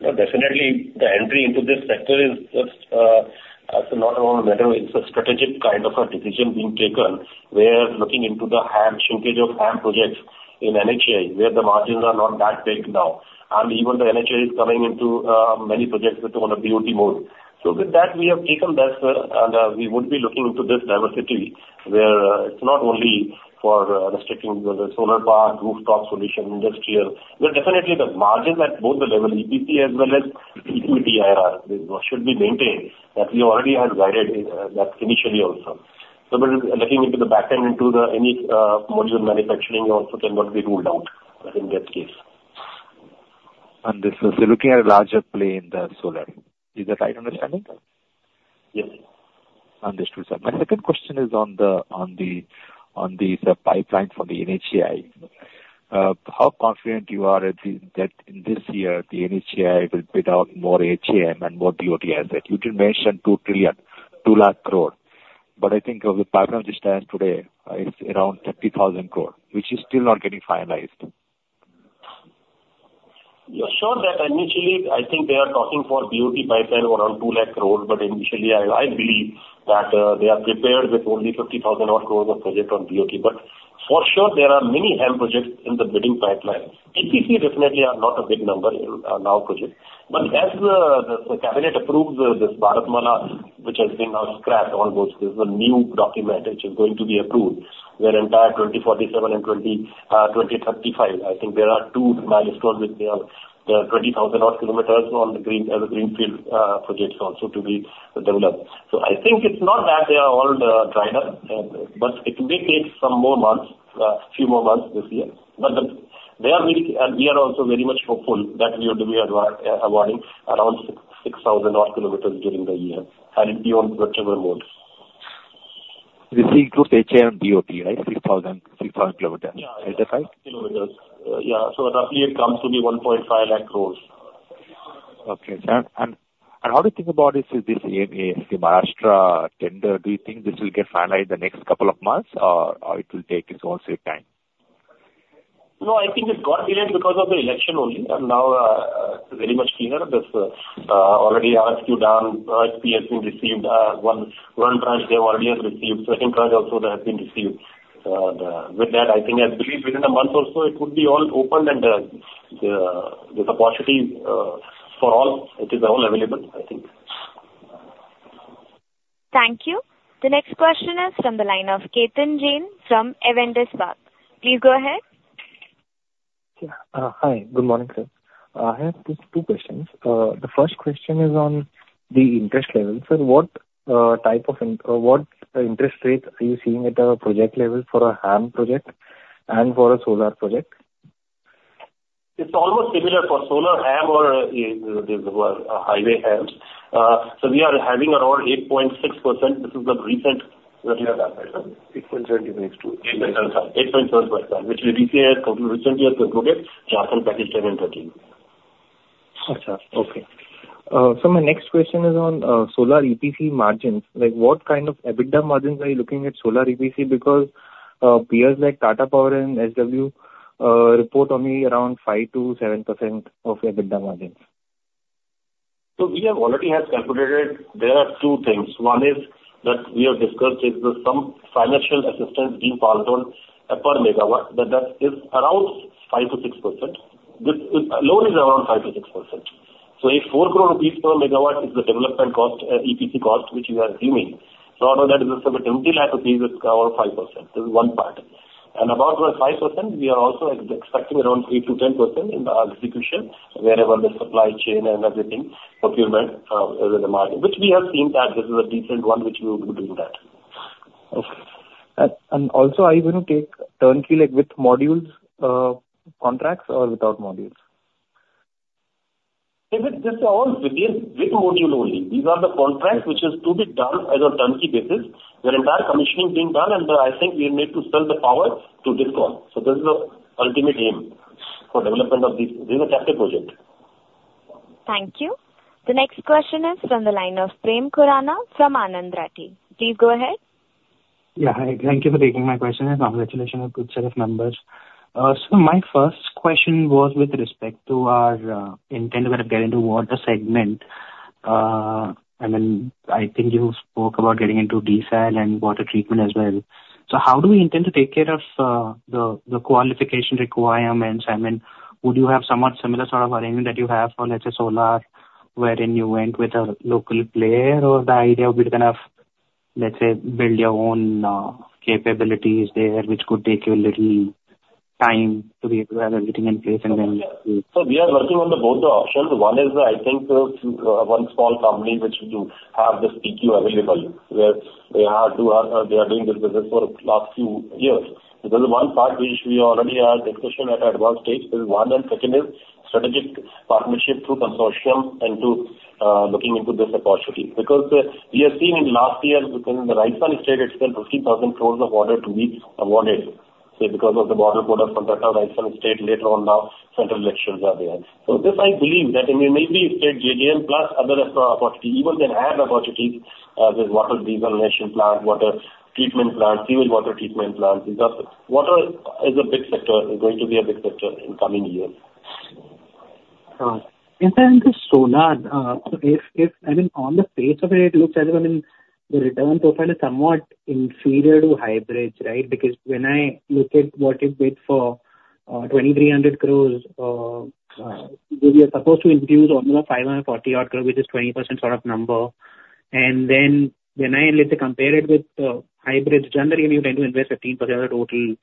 No, definitely, the entry into this sector is just, so not only that, it's a strategic kind of a decision being taken. We are looking into the HAM, shrinkage of HAM projects in NHAI, where the margins are not that big now. And even the NHAI is coming into, many projects which are on a BOT mode. So with that, we have taken that, and, we would be looking into this diversity, where, it's not only for restricting the solar power, rooftop solution, industrial. But definitely, the margins at both the level, EPC as well as equity IRR, this should be maintained. That we already have guided, that initially also. So we're looking into the back end, into the any, module manufacturing also cannot be ruled out in this case. This is looking at a larger play in the solar. Is that right understanding? Yes. Understood, sir. My second question is on the pipeline for the NHAI. How confident you are that this year, the NHAI will bid out more HAM and more BOT assets? You did mention 200,000 crore, but I think of the pipeline which stands today, it's around 30,000 crore, which is still not getting finalized. Yeah, sure, that initially, I think they are talking for BOT pipeline around 200,000 crore. Initially, I believe that they are prepared with only 50,000 crore of project on BOT. For sure, there are many HAM projects in the bidding pipeline. EPC definitely are not a big number in now project. As the cabinet approves this Bharatmala, which has been now scrapped, almost. There's a new document which is going to be approved, where entire 2047 and 2035. I think there are two milestones which they are, 20,000 km on the green, the greenfield projects also to be developed. I think it's not that they are all dried up, but it may take some more months, a few more months this year. They are very, and we are also very much hopeful that we are to be awarded around 6,000 odd kilometers during the year and beyond whichever mode. This includes NHAI and BOT, right? 6,000, 6,000 kilometers. Yeah. Is that right? Kilometers. Yeah, so roughly it comes to be 150,000 crore. Okay. And how do you think about this? Is this the Maharashtra tender? Do you think this will get finalized the next couple of months, or it will take its own sweet time? No, I think it got delayed because of the election only, and now very much clearer. This already RFQ down, RFP has been received, one tranche they have already have received. Second tranche also they have been received. With that, I think I believe within a month or so, it would be all open and the opportunity for all, it is all available, I think. Thank you. The next question is from the line of Ketan Jain from Avendus Capital. Please go ahead. Yeah. Hi, good morning, sir. I have just two questions. The first question is on the interest level. Sir, what interest rates are you seeing at a project level for a HAM project and for a solar project? It's almost similar for solar, HAM or highway HAM. So we are having around 8.6%. This is the recent that we have. 8.7%. 8.7%, which we recently have to look at [Jaiprakash 713]. Okay. So my next question is on solar EPC margins. Like, what kind of EBITDA margins are you looking at solar EPC? Because peers like Tata Power and SW report only around 5%-7% of EBITDA margins. We have already calculated. There are two things. One is that we have discussed is some financial assistance being passed on a per megawatt, but that is around 5%-6%. This loan is around 5%-6%. A 4 crore rupees per megawatt is the development cost, EPC cost, which we are assuming. Out of that, about 20 lakh rupees is around 5%. This is one part. About the 5%, we are also expecting around 8%-10% in the execution, wherever the supply chain and everything, procurement, with the margin, which we have seen that this is a decent one, which we would do that. Okay. And also, are you going to take turnkey, like, with modules, contracts or without modules? This all begins with module only. These are the contracts which is to be done as a turnkey basis. The entire commissioning being done, and I think we need to sell the power to this call. So this is the ultimate aim for development of these. This is a captive project. Thank you. The next question is from the line of Prem Khurana from Anand Rathi. Please go ahead. Yeah, hi. Thank you for taking my question, and congratulations on good set of numbers. So my first question was with respect to our intent to get into water segment. I mean, I think you spoke about getting into desal and water treatment as well. So how do we intend to take care of the qualification requirements? I mean, would you have somewhat similar sort of arrangement that you have on, let's say, solar, wherein you went with a local player? Or the idea would be to kind of, let's say, build your own capabilities there, which could take you a little time to be able to have everything in place, and then- We are working on both the options. One is, I think, one small company which does have the PQ available, where they are doing this business for the last few years. There is one part which we already are discussing at an advanced stage. This is one, and second is strategic partnership through consortium and looking into this opportunity. Because we have seen in last year within the Rajasthan state itself, 50,000 crore of order to be awarded, so because of the model code of conduct of Rajasthan state, later on now, central elections are there. I believe that it may be state JDN plus other opportunity, even then add opportunities, there's water desalination plant, water treatment plant, sewage water treatment plants. Because water is a big sector, is going to be a big sector in coming years. In terms of solar, if, I mean, on the face of it, it looks as, I mean, the return profile is somewhat inferior to hybrids, right? Because when I look at what you bid for, 2,300 crore, we are supposed to introduce only 540-odd crore, which is 20% sort of number. And then when I, let's say, compare it with, hybrids, generally you tend to invest 15% of the total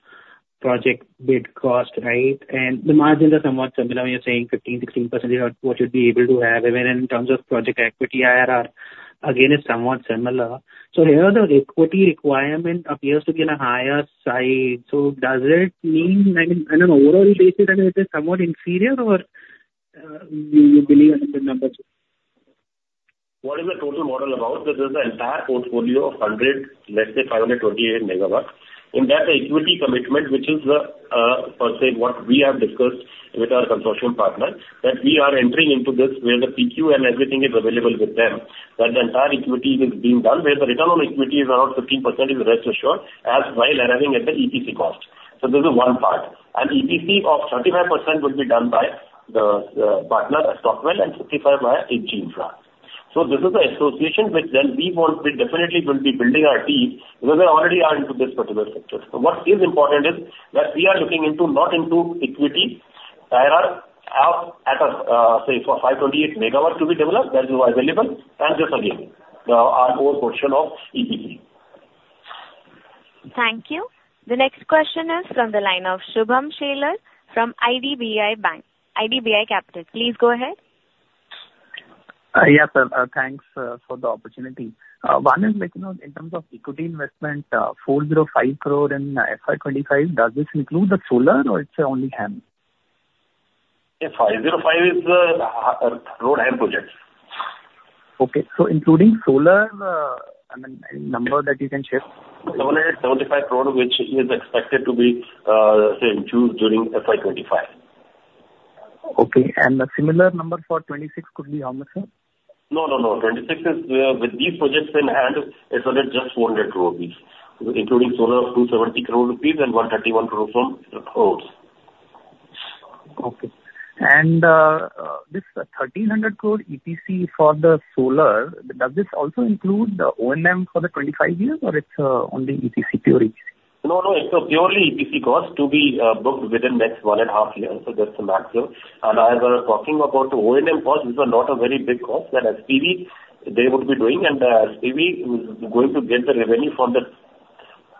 project bid cost, right? And the margins are somewhat similar. You're saying 15, 16%, what you'd be able to have. Even in terms of project equity, IRR, again, is somewhat similar. So here, the equity requirement appears to be on the higher side. Does it mean, I mean, on an overall basis, I mean, it is somewhat inferior, or you believe in the numbers? What is the total model about? This is the entire portfolio of 100, let's say 528 megawatts. In that equity commitment, which is the per se, what we have discussed with our consortium partner, that we are entering into this where the PQ and everything is available with them, that the entire equity is being done, where the return on equity is around 15% is rest assured, as while arriving at the EPC cost. So this is one part, and EPC of 35% would be done by the partner, Stockwell, and 55% by H.G. Infra. So this is the association which then we want. We definitely will be building our team, because we already are into this particular sector. So what is important is that we are looking into, not into equity, there are up at, say, 528 megawatts to be developed, that is available, and this again, our own portion of EPC. Thank you. The next question is from the line of Shubham Shelar, from IDBI Bank, IDBI Capital. Please go ahead. Yes, sir, thanks for the opportunity. One is like, you know, in terms of equity investment, 405 crore in FY 2025, does this include the solar or it's only HAM? Yes, 505 is road HAM projects. Okay. So including solar, I mean, any number that you can share? 775 crore, which is expected to be, say, in June, during FY 2025. Okay, and the similar number for 26 could be how much, sir? No, no, no. 26 is with these projects in hand, it's only just 400 crore rupees, including solar, 270 crore rupees and 131 crore from roads. Okay. And, this 1,300 crore EPC for the solar, does this also include the O&M for the 25 years, or it's only EPC, purely EPC? No, no, it's a purely EPC cost to be booked within next one and a half years. That's the maximum. As we're talking about O&M costs, these are not a very big cost that SPV, they would be doing, and SPV is going to get the revenue from the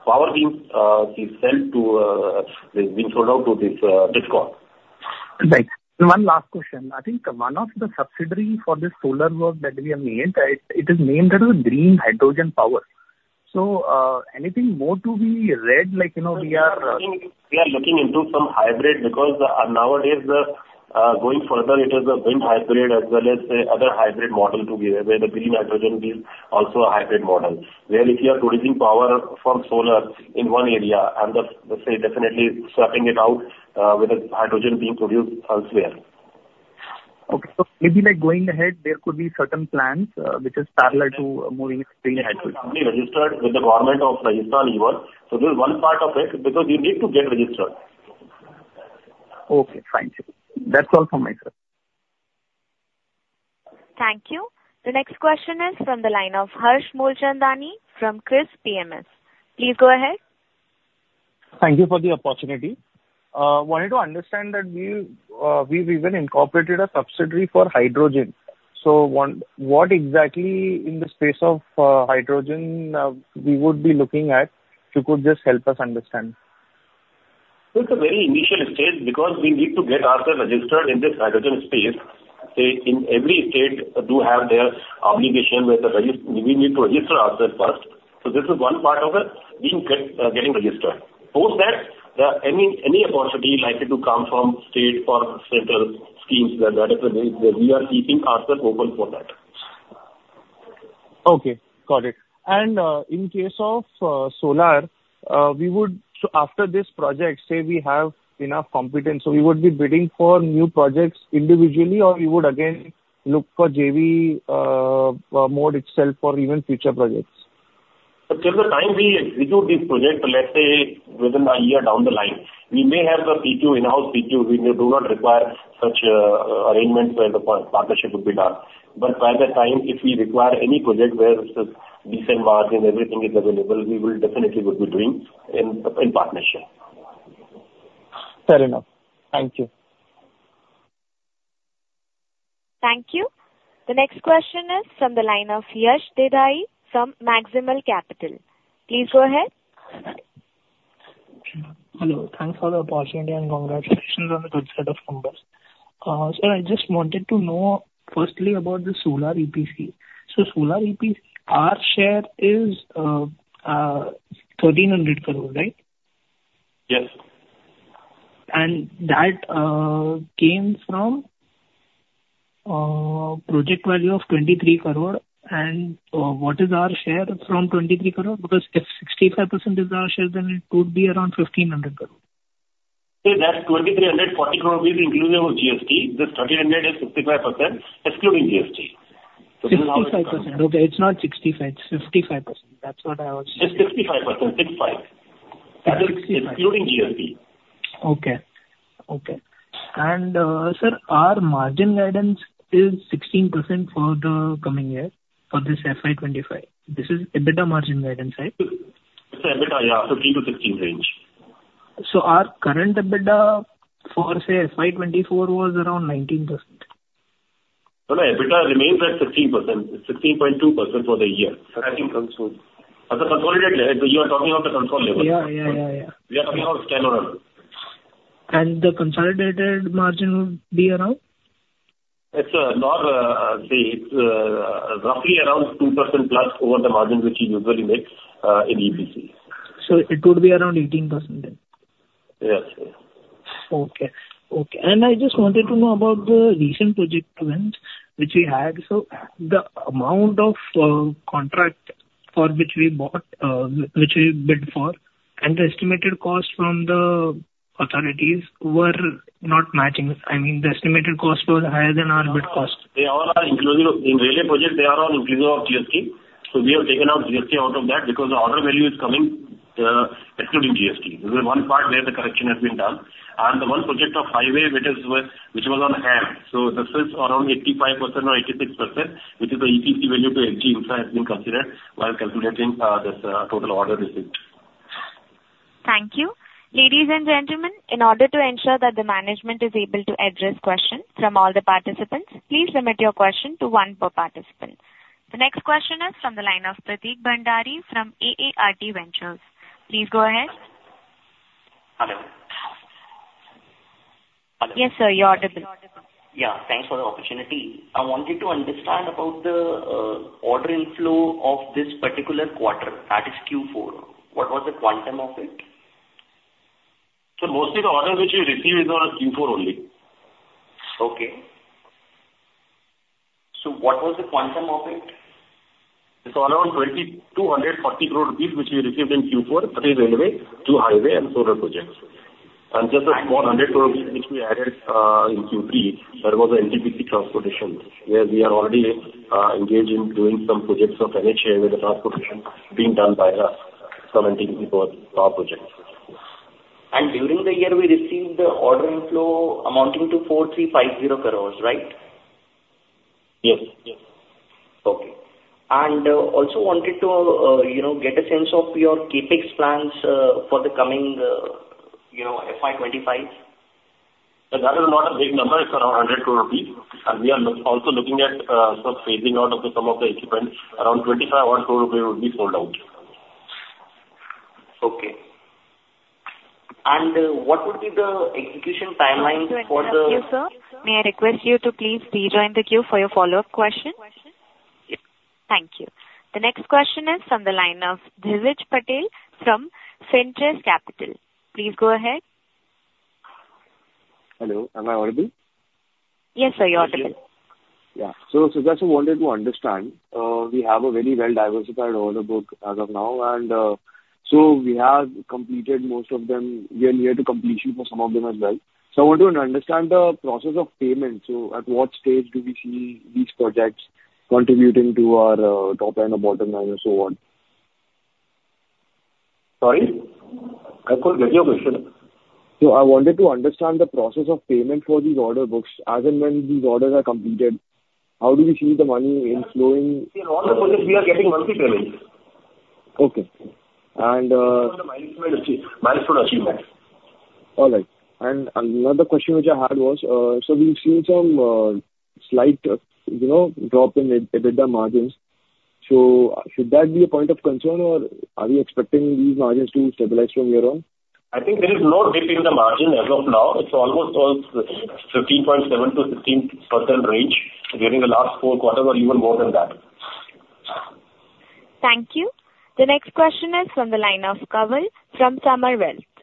power being sold to, being sold out to this DISCOM. Right. One last question. I think one of the subsidiary for this solar work that we have made, it is named as a Green Hydrogen Power. So, anything more to be read, like, you know, we are- We are looking, we are looking into some hybrid, because nowadays, going further, it is a wind hybrid as well as the other hybrid model to be where the green hydrogen is also a hybrid model, where if you are producing power from solar in one area and the, let's say, definitely swapping it out with the hydrogen being produced elsewhere. Okay. Maybe like going ahead, there could be certain plans, which is parallel to moving into green hydrogen. Only registered with the government of Rajasthan alone. So this is one part of it, because you need to get registered. Okay, thank you. That's all from my side. Thank you. The next question is from the line of Harsh Molchandani from KRIIS PMS. Please go ahead. Thank you for the opportunity. Wanted to understand that we, we've even incorporated a subsidiary for hydrogen. So one... what exactly in the space of hydrogen we would be looking at? If you could just help us understand. It's a very initial stage, because we need to get ourselves registered in this hydrogen space. Say, in every state do have their obligation, where we need to register ourselves first. So this is one part of it, we need get getting registered. Post that, any, any opportunity likely to come from state or central schemes, that is the way we are keeping ourselves open for that. Okay, got it. In case of solar, we would—after this project, say, we have enough competence, we would be bidding for new projects individually, or we would again look for JV mode itself for even future projects? So till the time we execute this project, let's say within a year down the line, we may have the PQ, in-house PQ, we may do not require such arrangement where the partnership would be done. But by that time, if we require any project where the design, margin, everything is available, we will definitely would be doing in partnership. Fair enough. Thank you. Thank you. The next question is from the line of Yash Deshai from Maximal Capital. Please go ahead. Hello, thanks for the opportunity, and congratulations on the good set of numbers. Sir, I just wanted to know, firstly, about the solar EPC. So solar EPC, our share is 1,300 crore, right? Yes. That came from project value of 23 crore. What is our share from 23 crore? Because if 65% is our share, then it would be around 1,500 crore. See, that's 2,340 crore including our GST. This 1,300 is 55%, excluding GST. 55%. Okay, it's not 65%, it's 55%. That's what I was- It's 55%, 55. Fifty-five. Including GST. Okay. Okay. And, sir, our margin guidance is 16% for the coming year, for this FY 2025. This is EBITDA margin guidance, right? It's EBITDA, yeah, 15-16 range. Our current EBITDA for, say, FY 2024 was around 19%. No, no, EBITDA remains at 16%, 16.2% for the year. I think so. At the consolidated level, you are talking of the consolidated level? Yeah, yeah, yeah, yeah. We are talking about standalone. The consolidated margin would be around? It's not, say, it's roughly around 2% plus over the margin, which we usually make in EPC. It would be around 18% then?... Yes, sir. Okay, okay. I just wanted to know about the recent project events which we had. The amount of contract for which we bought, which we bid for, and the estimated cost from the authorities were not matching. I mean, the estimated cost was higher than our bid cost. They all are inclusive. In railway projects, they are all inclusive of GST, so we have taken out GST out of that, because the order value is coming, excluding GST. This is one part where the correction has been done. The one project of highway, which was on hand, so this is around 85% or 86%, which is the EPC value to HG Infra has been considered while calculating this total order received. Thank you. Ladies and gentlemen, in order to ensure that the management is able to address questions from all the participants, please limit your question to one per participant. The next question is from the line of Prateek Bhandari from AART Ventures. Please go ahead. Hello? Hello. Yes, sir, you're audible. Yeah, thanks for the opportunity. I wanted to understand about the, order inflow of this particular quarter, that is Q4. What was the quantum of it? Mostly the order which we received is on Q4 only. Okay. So what was the quantum of it? It's around 2,240 crore rupees, which we received in Q4, 30 railway, 2 highway, and solar projects. Just a small 100 crore rupees, which we added in Q3, that was the NTPC transportation, where we are already engaged in doing some projects of NHAI, where the transportation is being done by us from NTPC for our projects. During the year, we received the order inflow amounting to 4,350 crore, right? Yes, yes. Okay. Also wanted to, you know, get a sense of your CapEx plans for the coming, you know, FY 25. That is not a big number. It's around 100 crore rupees, and we are also looking at, sort of, phasing out some of the equipment. Around 25 crore rupees will be sold out. Okay. And, what would be the execution timelines for the- Thank you, sir. May I request you to please rejoin the queue for your follow-up question? Yes. Thank you. The next question is from the line of Dhiraj Patel from Centaurus Capital. Please go ahead. Hello, am I audible? Yes, sir, you're audible. Yeah. So, Sugat, I wanted to understand, we have a very well-diversified order book as of now, and, so we have completed most of them. We are near to completion for some of them as well. So I want to understand the process of payment. So at what stage do we see these projects contributing to our, top line or bottom line or so on? Sorry, I couldn't get your question. So I wanted to understand the process of payment for these order books. As and when these orders are completed, how do we see the money flowing? In all the projects we are getting monthly payments. Okay. Milestone achievement. All right. Another question which I had was, so we've seen some slight, you know, drop in EBITDA margins. So should that be a point of concern, or are we expecting these margins to stabilize from here on? I think there is no dip in the margin as of now. It's almost, 15.7%-16% range during the last four quarters or even more than that. Thank you. The next question is from the line of Kawal from Samar Wealth.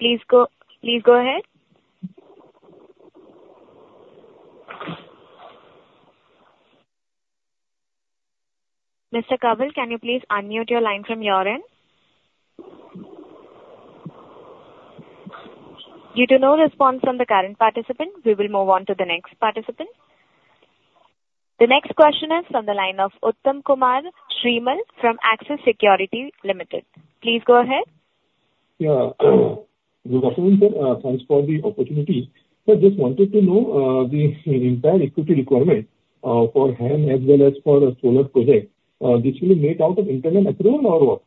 Please go ahead, please go ahead. Mr. Kawal, can you please unmute your line from your end? Due to no response from the current participant, we will move on to the next participant. The next question is from the line of Uttam Kumar Shrimal from Axis Securities Limited. Please go ahead. Yeah. Good afternoon, sir, thanks for the opportunity. Sir, just wanted to know, the entire equity requirement, for HAM as well as for the solar project, this will be made out of internal accruals or what?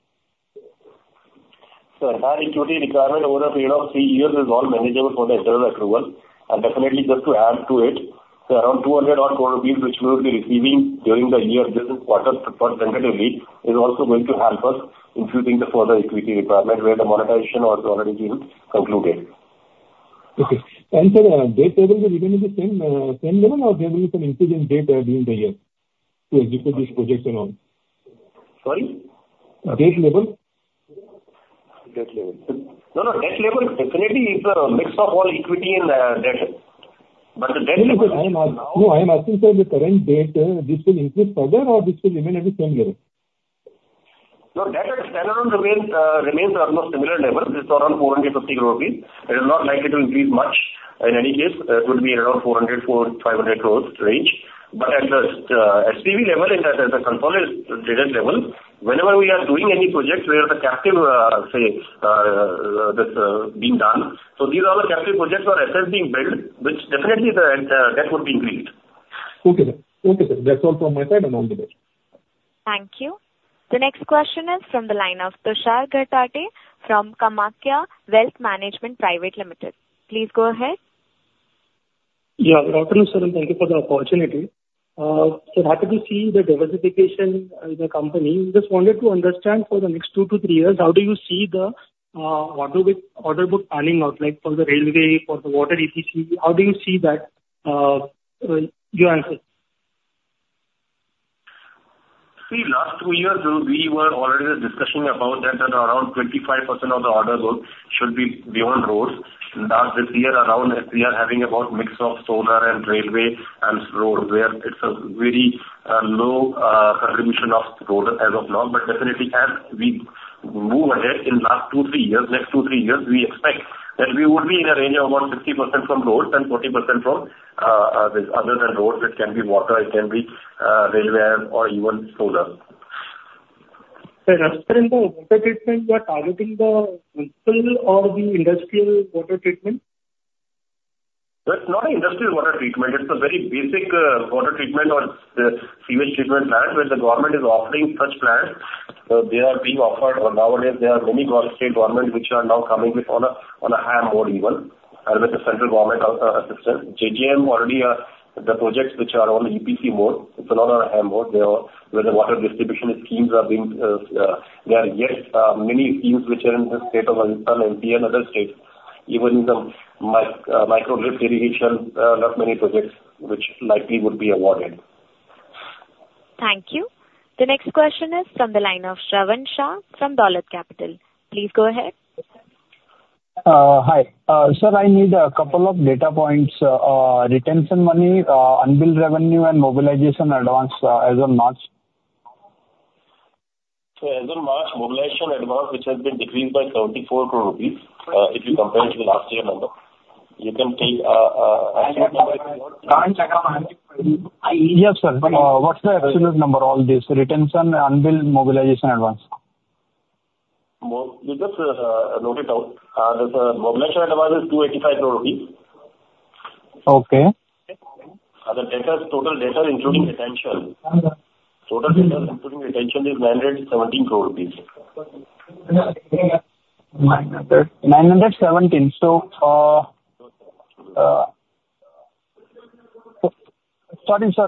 Entire equity requirement over a period of three years is all manageable for the internal approval. Definitely, just to add to it, around 200 crore rupees, which we will be receiving during the year, this quarter representatively, is also going to help us in keeping the further equity requirement where the monetization or the auditing concluded. Okay. And sir, debt level will remain the same, same level, or there will be some increase in debt, during the year to execute these projects and all? Sorry? Debt level. Debt level. No, no, debt level definitely is a mix of all equity and, debt. But the debt- No, I am asking, sir, the current debt, this will increase further or this will remain at the same level? No, debt stand alone remains, remains almost similar level. This is around 450 crore rupees. It is not likely to increase much. In any case, it would be around 400-450 crore range. But at the SPV level, in the at the consolidated level, whenever we are doing any projects where the capital, say, that's being done, so these are all the capital projects where assets being built, which definitely the debt would increase. Okay, sir. Okay, sir. That's all from my side and onwards. Thank you. The next question is from the line of Tushar Ghatate from Kamakhya Wealth Management Private Limited. Please go ahead. Yeah, good afternoon, sir, and thank you for the opportunity. So happy to see the diversification in the company. Just wanted to understand for the next two to three years, how do you see the order book panning out, like for the railway, for the water EPC? How do you see that, your answer?... See, last two years, we were already discussing about that at around 25% of the order book should be beyond roads. Now, this year around, we are having about mix of solar and railway and road, where it's a very low contribution of road as of now. But definitely, as we move ahead in last two, three years, next two, three years, we expect that we would be in a range of about 50% from roads and 40% from this other than roads. It can be water, it can be railway or even solar. Sir, as per in the water treatment, we are targeting the full or the industrial water treatment? It's not an industrial water treatment. It's a very basic water treatment or sewage treatment plant, where the government is offering such plants. So they are being offered, or nowadays there are many state governments which are now coming with on a HAM mode even, and with the central government also assistance. JJM already are the projects which are on EPC mode. It's not on a HAM mode. They are where the water distribution schemes are being, there are yet many schemes which are in the state of Andhra and MP and other states, even in the micro grid irrigation, not many projects which likely would be awarded. Thank you. The next question is from the line of Shravan Shah from Dolat Capital. Please go ahead. Hi. Sir, I need a couple of data points, retention money, unbilled revenue, and mobilization advance, as on March. So as on March, mobilization advance, which has been decreased by 34 crore rupees, if you compare it to the last year number. You can take, Yes, sir, but what's the absolute number, all this retention, unbilled, mobilization advance? You just load it out. The mobilization advance is INR 285 crore. Okay. The data, total data including retention. Total data including retention is INR 917 crore. Nine hundred... Nine hundred and seventeen. So, sorry, sir,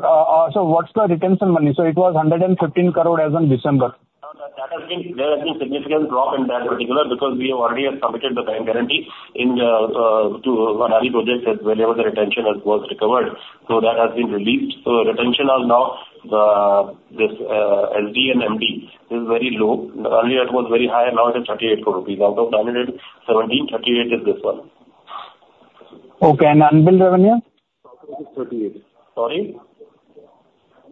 so what's the retention money? So it was 115 crore as on December. No, that has been, there has been significant drop in that particular, because we have already have submitted the bank guarantee in to [Vadali] project that wherever the retention was, was recovered. So that has been released. So retention are now this LD and MD is very low. Earlier it was very high, and now it is 38 crore rupees. Out of 917, 38 is this one. Okay, and unbilled revenue? Thirty-eight. Sorry?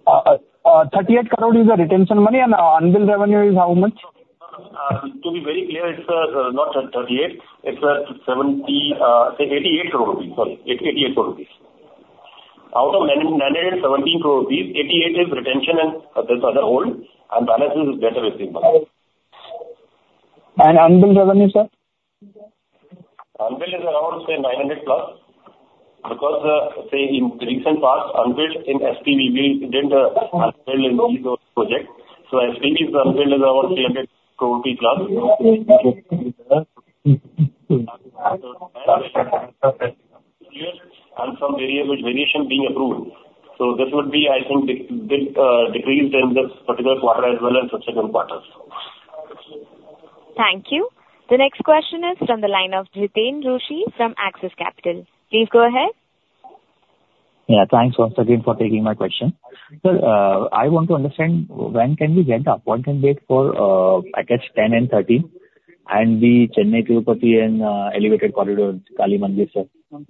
38 crore is the retention money, and unbilled revenue is how much? To be very clear, it's not 38, it's 70, say, 88 crore rupees, sorry, it's INR 88 crore. Out of 917 crore rupees, 88 is retention, and this other hold, and balance is better with me. Unbilled revenue, sir? Unbilled is around, say, 900 plus. Because, say, in the recent past, unbilled in SPV, we didn't, unbilled in these projects. I think it's unbilled is around INR 300 crore plus. Okay. Mm-hmm. Mm. Some variable variation being approved. So this would be, I think, decreased in this particular quarter as well as the second quarter. Thank you. The next question is from the line of Jiten Rushi from Axis Capital. Please go ahead. Yeah, thanks once again for taking my question. Sir, I want to understand when can we get the Appointed Date for package 10 and 13, and the Chennai-Tirupati and elevated corridor, Kali Mandir, sir? The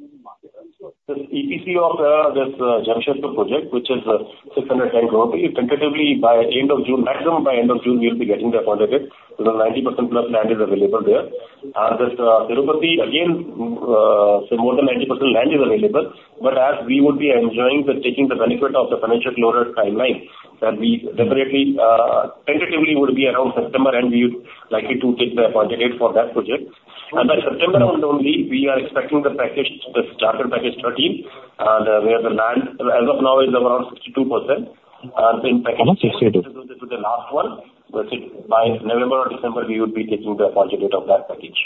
EPC of this Junction project, which is 610 crore, tentatively by end of June, maximum by end of June, we'll be getting the appointed date. So the 90% plus land is available there. And this Tirupati, again, so more than 90% land is available, but as we would be enjoying the taking the benefit of the financial closure timeline, that we deliberately tentatively would be around September, and we would likely to take the appointed date for that project. And by September end only, we are expecting the package, the starter package 13, the, where the land, as of now, is around 62%. So in package- Sixty-two. So the last one, which is by November or December, we would be taking the appointed date of that package.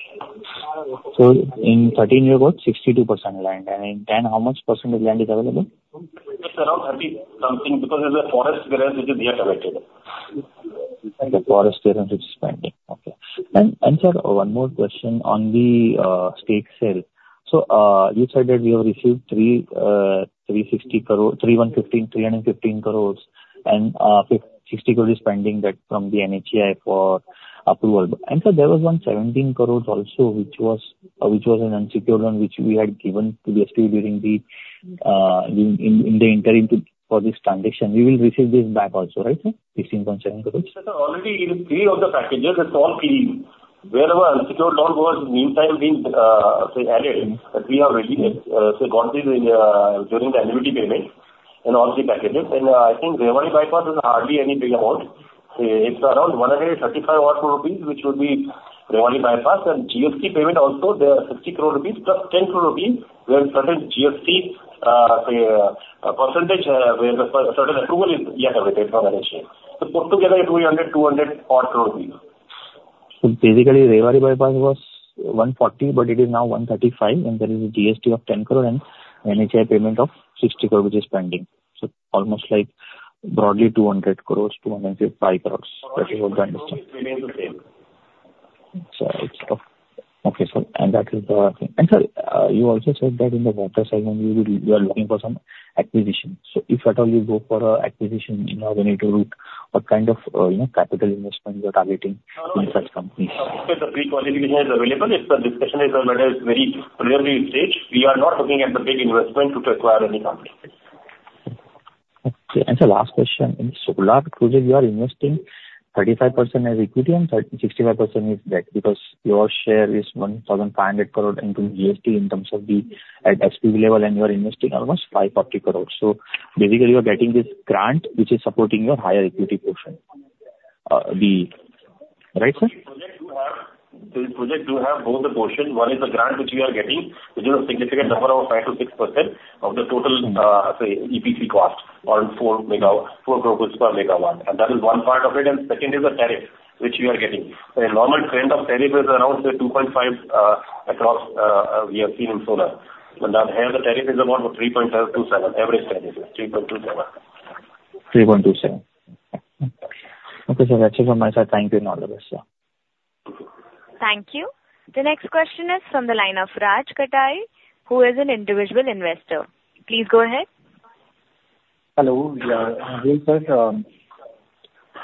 In 13, you have got 62% land, and in 10, how much % land is available? It's around 30-something, because there's a forest clearance, which is yet available. The forest clearance is pending. Okay. And, and sir, one more question on the, state sale. So, you said that you have received 360 crore, 315 crore, 315 crores, and, 60 crore is pending that from the NHAI for approval. And sir, there was 117 crores also, which was, which was an unsecured loan, which we had given to the SP during the, in, in, in the interim to... for this transaction. We will receive this back also, right, sir, 16.7 crores? Sir, already in three of the packages, it's all clean. Wherever unsecured loan was meantime been, say, added, but we have already, so got it in, during the annuity payment in all three packages. And, I think Rewari Bypass is hardly any big amount. It's around 135 crore rupees, which would be Rewari Bypass. And GST payment also, there are 60 crore rupees, plus 10 crore rupees, where certain GST, say, percentage, where the certain approval is yet to wait for NHAI. So altogether, it will be under 200 crore. Basically, Rewari Bypass was 140 crore, but it is now 135 crore, and there is a GST of 10 crore and NHAI payment of 60 crore, which is pending. Almost like broadly 200 crore, 205 crore. That is what I understand. Remain the same. Sorry?... Okay, sir, and that is the, and sir, you also said that in the water segment, you will, you are looking for some acquisition. So if at all you go for a acquisition in organic route, what kind of, you know, capital investment you are targeting in such companies? The pre-qualification is available. If the discussion is very clearly staged, we are not looking at the big investment to acquire any company. Okay. And sir, last question. In solar project, you are investing 35% as equity and 65% is debt, because your share is 1,500 crore net of GST in terms of the at SPV level, and you are investing almost 540 crore. So basically, you are getting this grant, which is supporting your higher equity portion. Right, sir? The project do have, the project do have both the portions. One is the grant, which we are getting, which is a significant number of 5%-6% of the total, say, EPC cost on 4 MW, 4 crore per megawatt, and that is one part of it, and second is the tariff, which we are getting. A normal trend of tariff is around, say, 2.5, across, we have seen in solar. But now, here, the tariff is around 3.27, average tariff is 3.27. 3.27. Okay, sir. That's it from my side. Thank you, and all the best, sir. Thank you. The next question is from the line of Raj Katay, who is an individual investor. Please go ahead. Hello, yeah. Sir,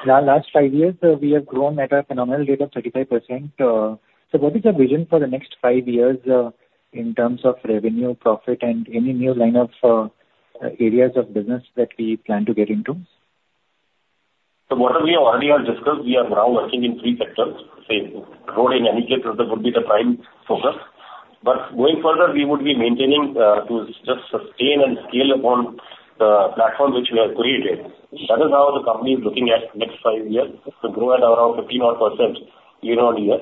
now, last five years, we have grown at a phenomenal rate of 35%. So what is your vision for the next five years, in terms of revenue, profit, and any new line of areas of business that we plan to get into? So what we have already all discussed, we are now working in three sectors, say, road in any case, that would be the prime focus. But going further, we would be maintaining, to just sustain and scale upon the platform which we have created. That is how the company is looking at next five years, to grow at around 15 odd % year-over-year,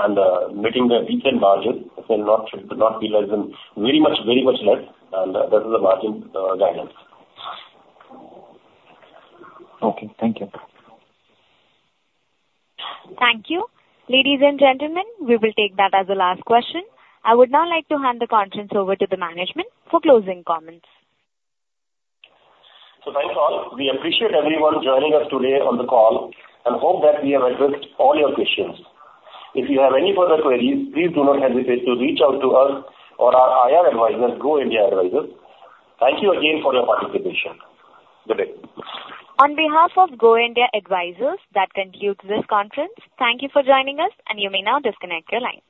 and, maintaining the decent margin, say, not, not be less than, very much, very much less, and, that is the margin guidance. Okay. Thank you. Thank you. Ladies and gentlemen, we will take that as the last question. I would now like to hand the conference over to the management for closing comments. So thanks, all. We appreciate everyone joining us today on the call and hope that we have addressed all your questions. If you have any further queries, please do not hesitate to reach out to us or our IR advisors, Go India Advisors. Thank you again for your participation. Good day. On behalf of Go India Advisors, that concludes this conference. Thank you for joining us, and you may now disconnect your line.